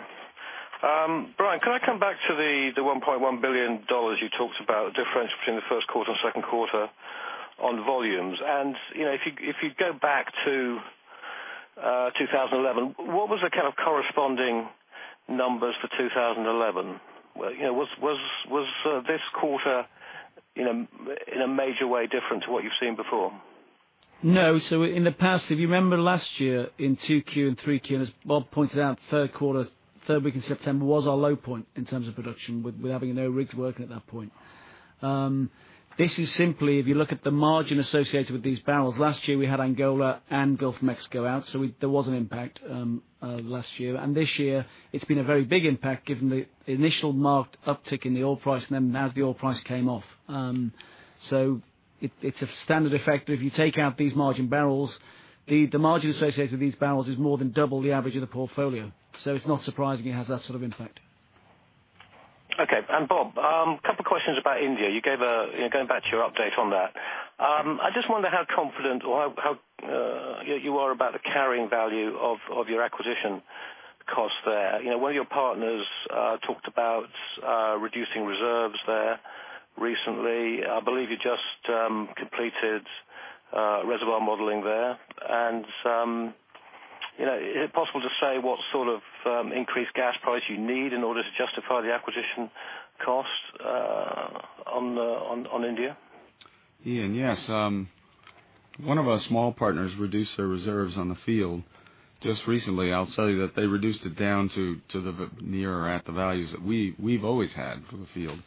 Brian, can I come back to the $1.1 billion you talked about, the difference between the first quarter and second quarter on volumes? If you go back to 2011, what was the kind of corresponding numbers for 2011? Was this quarter in a major way different to what you've seen before? No. In the past, if you remember last year in 2Q and 3Q, as Bob pointed out, third week in September was our low point in terms of production, with having no rigs working at that point. This is simply, if you look at the margin associated with these barrels, last year we had Angola and Gulf of Mexico out, there was an impact last year. This year it's been a very big impact given the initial marked uptick in the oil price and then as the oil price came off. It's a standard effect, but if you take out these margin barrels, the margin associated with these barrels is more than double the average of the portfolio. It's not surprising it has that sort of impact. Okay. Bob, couple questions about India. Going back to your update on that. I just wonder how confident you are about the carrying value of your acquisition cost there. One of your partners talked about reducing reserves there recently. I believe you just completed reservoir modeling there. Is it possible to say what sort of increased gas price you need in order to justify the acquisition cost on India? Iain, yes. One of our small partners reduced their reserves on the field just recently. I'll tell you that they reduced it down to the near or at the values that we've always had for the field.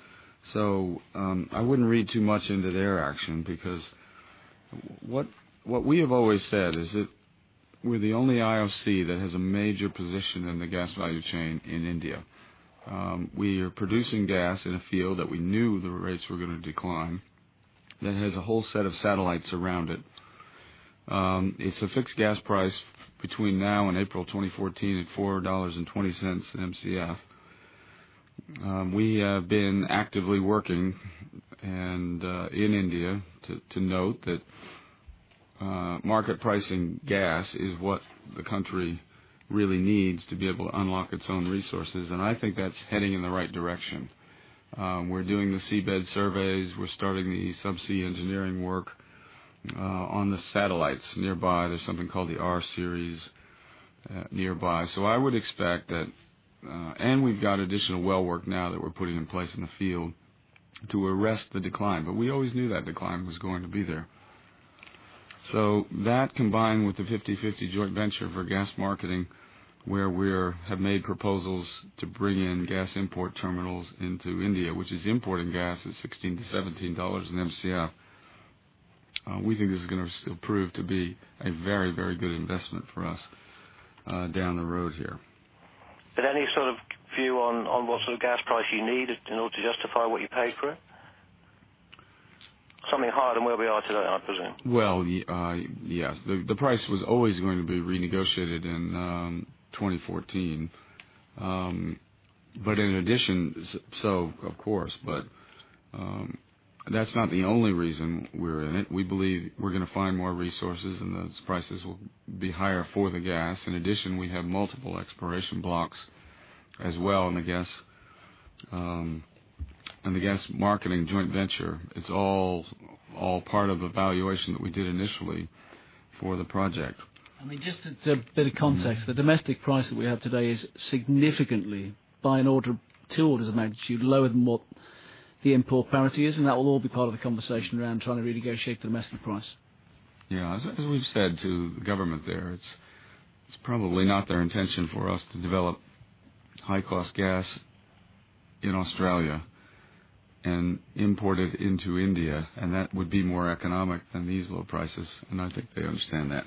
I wouldn't read too much into their action because what we have always said is that we're the only IOC that has a major position in the gas value chain in India. We are producing gas in a field that we knew the rates were going to decline, that has a whole set of satellites around it. It's a fixed gas price between now and April 2014 at $4.20 Mcf. We have been actively working in India to note that market pricing gas is what the country really needs to be able to unlock its own resources, I think that's heading in the right direction. We're doing the seabed surveys. We're starting the subsea engineering work on the satellites nearby. There's something called the R-series nearby. We've got additional well work now that we're putting in place in the field to arrest the decline. We always knew that decline was going to be there. That combined with the 50/50 joint venture for gas marketing, where we have made proposals to bring in gas import terminals into India, which is importing gas at $16-$17 an Mcf. We think this is going to still prove to be a very good investment for us down the road here. Any sort of view on what sort of gas price you need in order to justify what you paid for it? Something higher than where we are today, I presume. Well, yes. The price was always going to be renegotiated in 2014. Of course. That's not the only reason we're in it. We believe we're going to find more resources and the prices will be higher for the gas. In addition, we have multiple exploration blocks as well in the gas marketing joint venture. It's all part of a valuation that we did initially for the project. Just a bit of context, the domestic price that we have today is significantly by two orders of magnitude lower than what the import parity is, and that will all be part of the conversation around trying to renegotiate the domestic price. Yeah. As we've said to the government there, it's probably not their intention for us to develop high-cost gas in Australia and import it into India, and that would be more economic than these low prices. I think they understand that.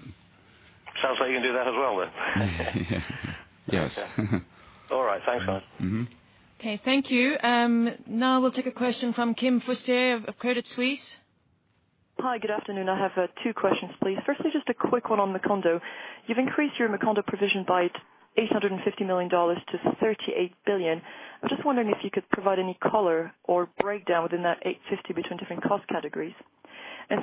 Sounds like you can do that as well then. Yes. All right. Thanks, guys. Okay, thank you. We'll take a question from Kim Fustier of Credit Suisse. Hi, good afternoon. I have two questions, please. Firstly, just a quick one on Macondo. You've increased your Macondo provision by $850 million to $38 billion. I'm just wondering if you could provide any color or breakdown within that $850 between different cost categories.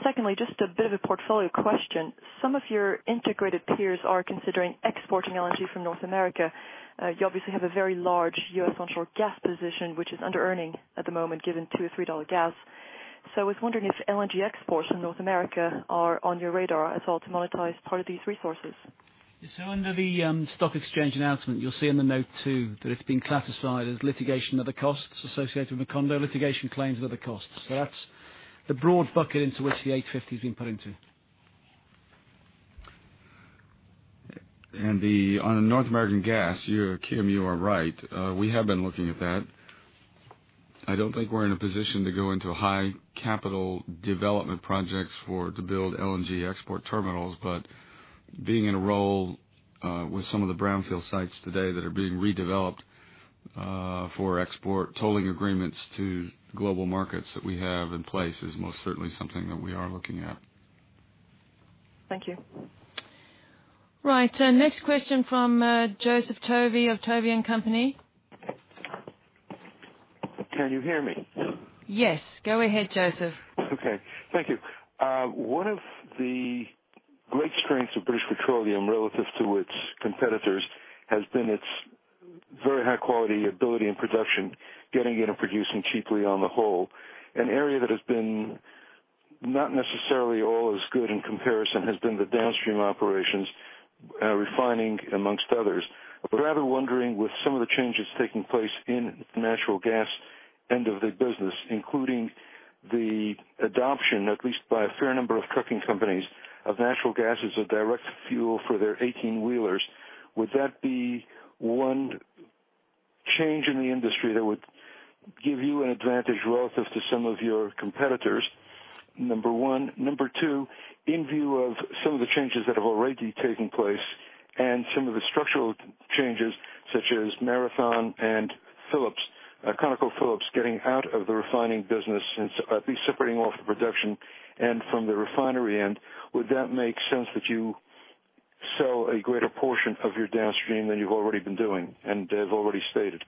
Secondly, just a bit of a portfolio question. Some of your integrated peers are considering exporting LNG from North America. You obviously have a very large U.S. onshore gas position, which is under earning at the moment, given $2-$3 gas. I was wondering if LNG exports from North America are on your radar at all to monetize part of these resources. Under the stock exchange announcement, you'll see in the note two that it's been classified as litigation, other costs associated with Macondo litigation claims, other costs. That's the broad bucket into which the $850 has been put into. On North American gas, Kim, you are right. We have been looking at that. I don't think we're in a position to go into high capital development projects to build LNG export terminals. Being in a role with some of the brownfield sites today that are being redeveloped, for export tolling agreements to global markets that we have in place is most certainly something that we are looking at. Thank you. Right. Next question from Joseph Tovey of Tovey & Company. Can you hear me? Yes. Go ahead, Joseph. Okay. Thank you. One of the great strengths of British Petroleum relative to its competitors has been its very high-quality ability and production, getting in and producing cheaply on the whole. An area that has been not necessarily all as good in comparison has been the downstream operations, refining amongst others. I am rather wondering, with some of the changes taking place in the natural gas end of the business, including the adoption, at least by a fair number of trucking companies, of natural gas as a direct fuel for their 18-wheelers. Would that be one change in the industry that would give you an advantage relative to some of your competitors? Number one. Number two, in view of some of the changes that have already taken place and some of the structural changes such as Marathon and Phillips, ConocoPhillips, getting out of the refining business, at least separating off the production and from the refinery end, would that make sense that you sell a greater portion of your downstream than you have already been doing and have already stated?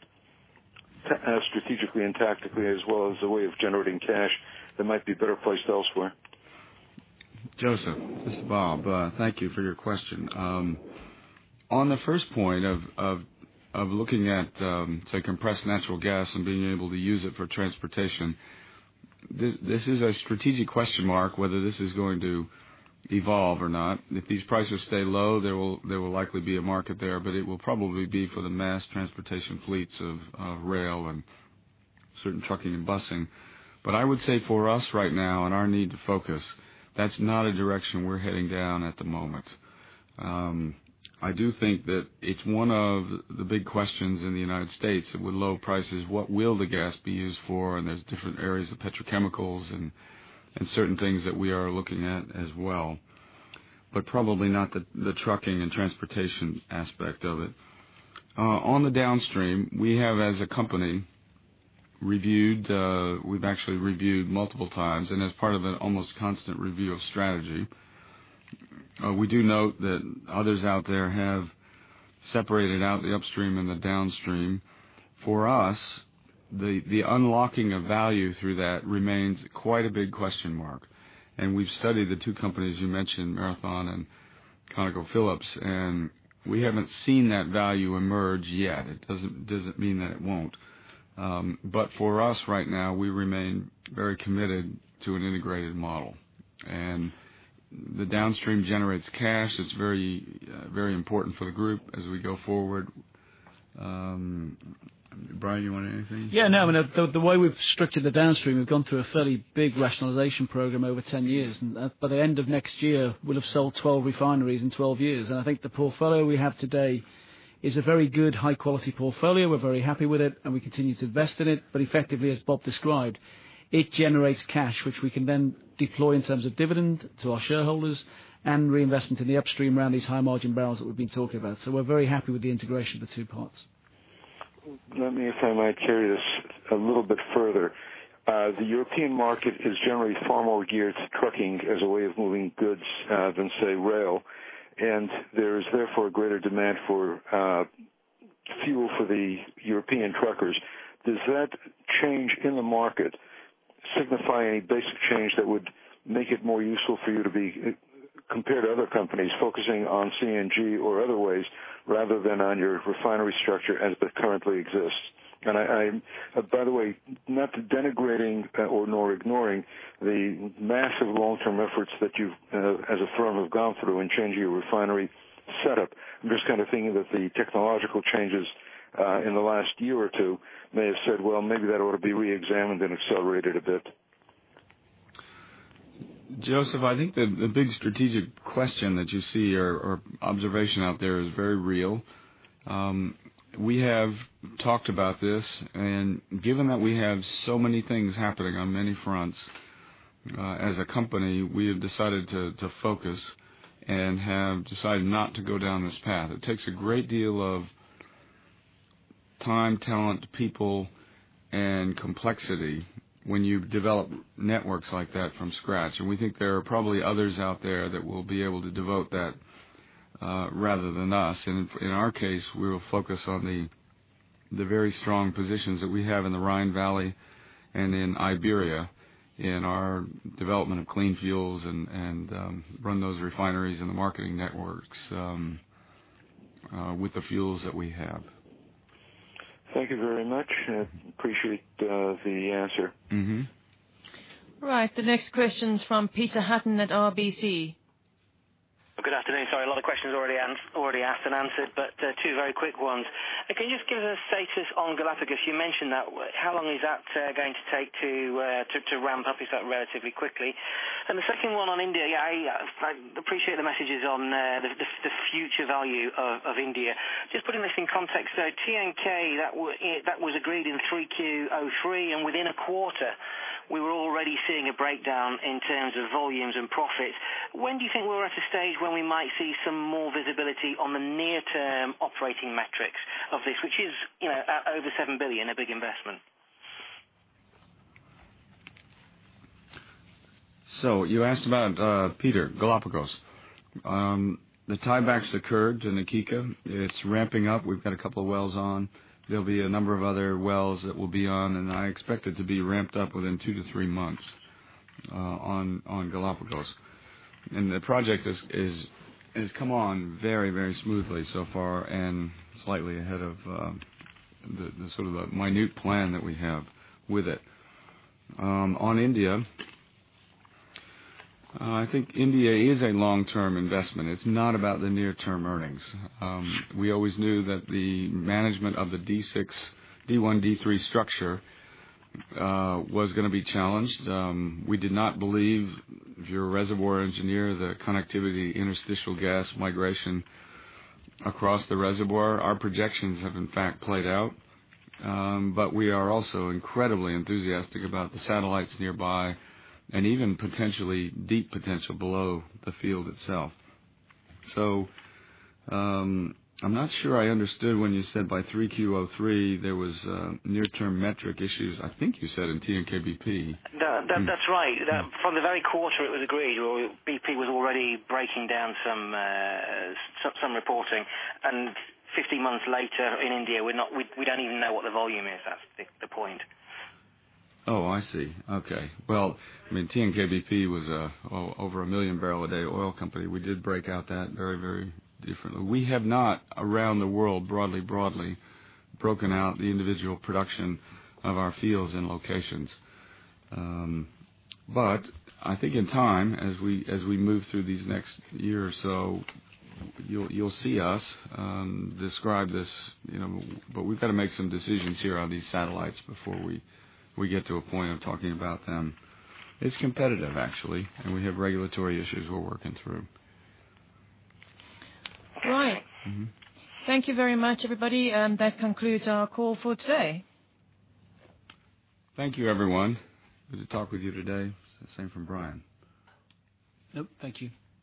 Strategically and tactically, as well as a way of generating cash that might be better placed elsewhere. Joseph, this is Bob. Thank you for your question. On the first point of looking at, say, compressed natural gas and being able to use it for transportation, this is a strategic question mark, whether this is going to evolve or not. If these prices stay low, there will likely be a market there, but it will probably be for the mass transportation fleets of rail and certain trucking and busing. I would say for us right now in our need to focus, that's not a direction we're heading down at the moment. I do think that it's one of the big questions in the U.S. that with low prices, what will the gas be used for, and there's different areas of petrochemicals and certain things that we are looking at as well. Probably not the trucking and transportation aspect of it. On the downstream, we have as a company reviewed, we've actually reviewed multiple times, and as part of an almost constant review of strategy, we do note that others out there have separated out the upstream and the downstream. For us, the unlocking of value through that remains quite a big question mark. We've studied the two companies you mentioned, Marathon and ConocoPhillips, and we haven't seen that value emerge yet. It doesn't mean that it won't. For us right now, we remain very committed to an integrated model. The downstream generates cash. It's very important for the group as we go forward. Brian, you want to add anything? Yeah. No, the way we've structured the downstream, we've gone through a fairly big rationalization program over 10 years. By the end of next year, we'll have sold 12 refineries in 12 years. I think the portfolio we have today is a very good, high-quality portfolio. We're very happy with it, and we continue to invest in it. Effectively, as Bob described, it generates cash, which we can then deploy in terms of dividend to our shareholders and reinvestment in the upstream around these high-margin barrels that we've been talking about. We're very happy with the integration of the two parts. Let me, if I might carry this a little bit further. The European market is generally far more geared to trucking as a way of moving goods than, say, rail. There is therefore a greater demand for fuel for the European truckers. Does that change in the market signify any basic change that would make it more useful for you to be compared to other companies focusing on CNG or other ways rather than on your refinery structure as it currently exists? I'm, by the way, not denigrating or nor ignoring the massive long-term efforts that you've, as a firm, have gone through in changing your refinery setup. I'm just thinking that the technological changes in the last year or two may have said, well, maybe that ought to be re-examined and accelerated a bit. Joseph, I think the big strategic question that you see or observation out there is very real. We have talked about this, given that we have so many things happening on many fronts as a company, we have decided to focus and have decided not to go down this path. It takes a great deal of time, talent, people, and complexity when you develop networks like that from scratch. We think there are probably others out there that will be able to devote that rather than us. In our case, we will focus on the very strong positions that we have in the Rhine Valley and in Iberia, in our development of clean fuels and run those refineries and the marketing networks with the fuels that we have. Thank you very much. I appreciate the answer. Right. The next question is from Peter Hutton at RBC. Good afternoon. Sorry, a lot of questions already asked and answered, but two very quick ones. Can you just give us a status on Galapagos? You mentioned that. How long is that going to take to ramp up? You said relatively quickly. The second one on India. I appreciate the messages on the future value of India. Just putting this in context, though, TNK, that was agreed in 3Q 2003, and within a quarter, we were already seeing a breakdown in terms of volumes and profits. When do you think we're at a stage when we might see some more visibility on the near-term operating metrics of this, which is over $7 billion, a big investment? You asked about, Peter, Galapagos. The tiebacks occurred in the Na Kika. It's ramping up. We've got a couple of wells on. There'll be a number of other wells that will be on, and I expect it to be ramped up within 2 to 3 months on Galapagos. The project has come on very smoothly so far and slightly ahead of the minute plan that we have with it. On India, I think India is a long-term investment. It's not about the near-term earnings. We always knew that the management of the D6, D1, D3 structure was going to be challenged. We did not believe, if you're a reservoir engineer, the connectivity, interstitial gas migration across the reservoir. Our projections have, in fact, played out. We are also incredibly enthusiastic about the satellites nearby and even potentially deep potential below the field itself. I'm not sure I understood when you said by 3Q 2003, there was near-term metric issues. I think you said in TNK-BP. That's right. From the very quarter it was agreed, BP was already breaking down some reporting. 15 months later in India, we don't even know what the volume is. That's the point. Oh, I see. Okay. Well, TNK-BP was over 1 million barrel a day oil company. We did break out that very differently. We have not, around the world, broadly, broken out the individual production of our fields and locations. I think in time, as we move through these next year or so, you'll see us describe this. We've got to make some decisions here on these satellites before we get to a point of talking about them. It's competitive, actually, and we have regulatory issues we're working through. Right. Thank you very much, everybody. That concludes our call for today. Thank you, everyone. Good to talk with you today. Same from Brian. Yep. Thank you.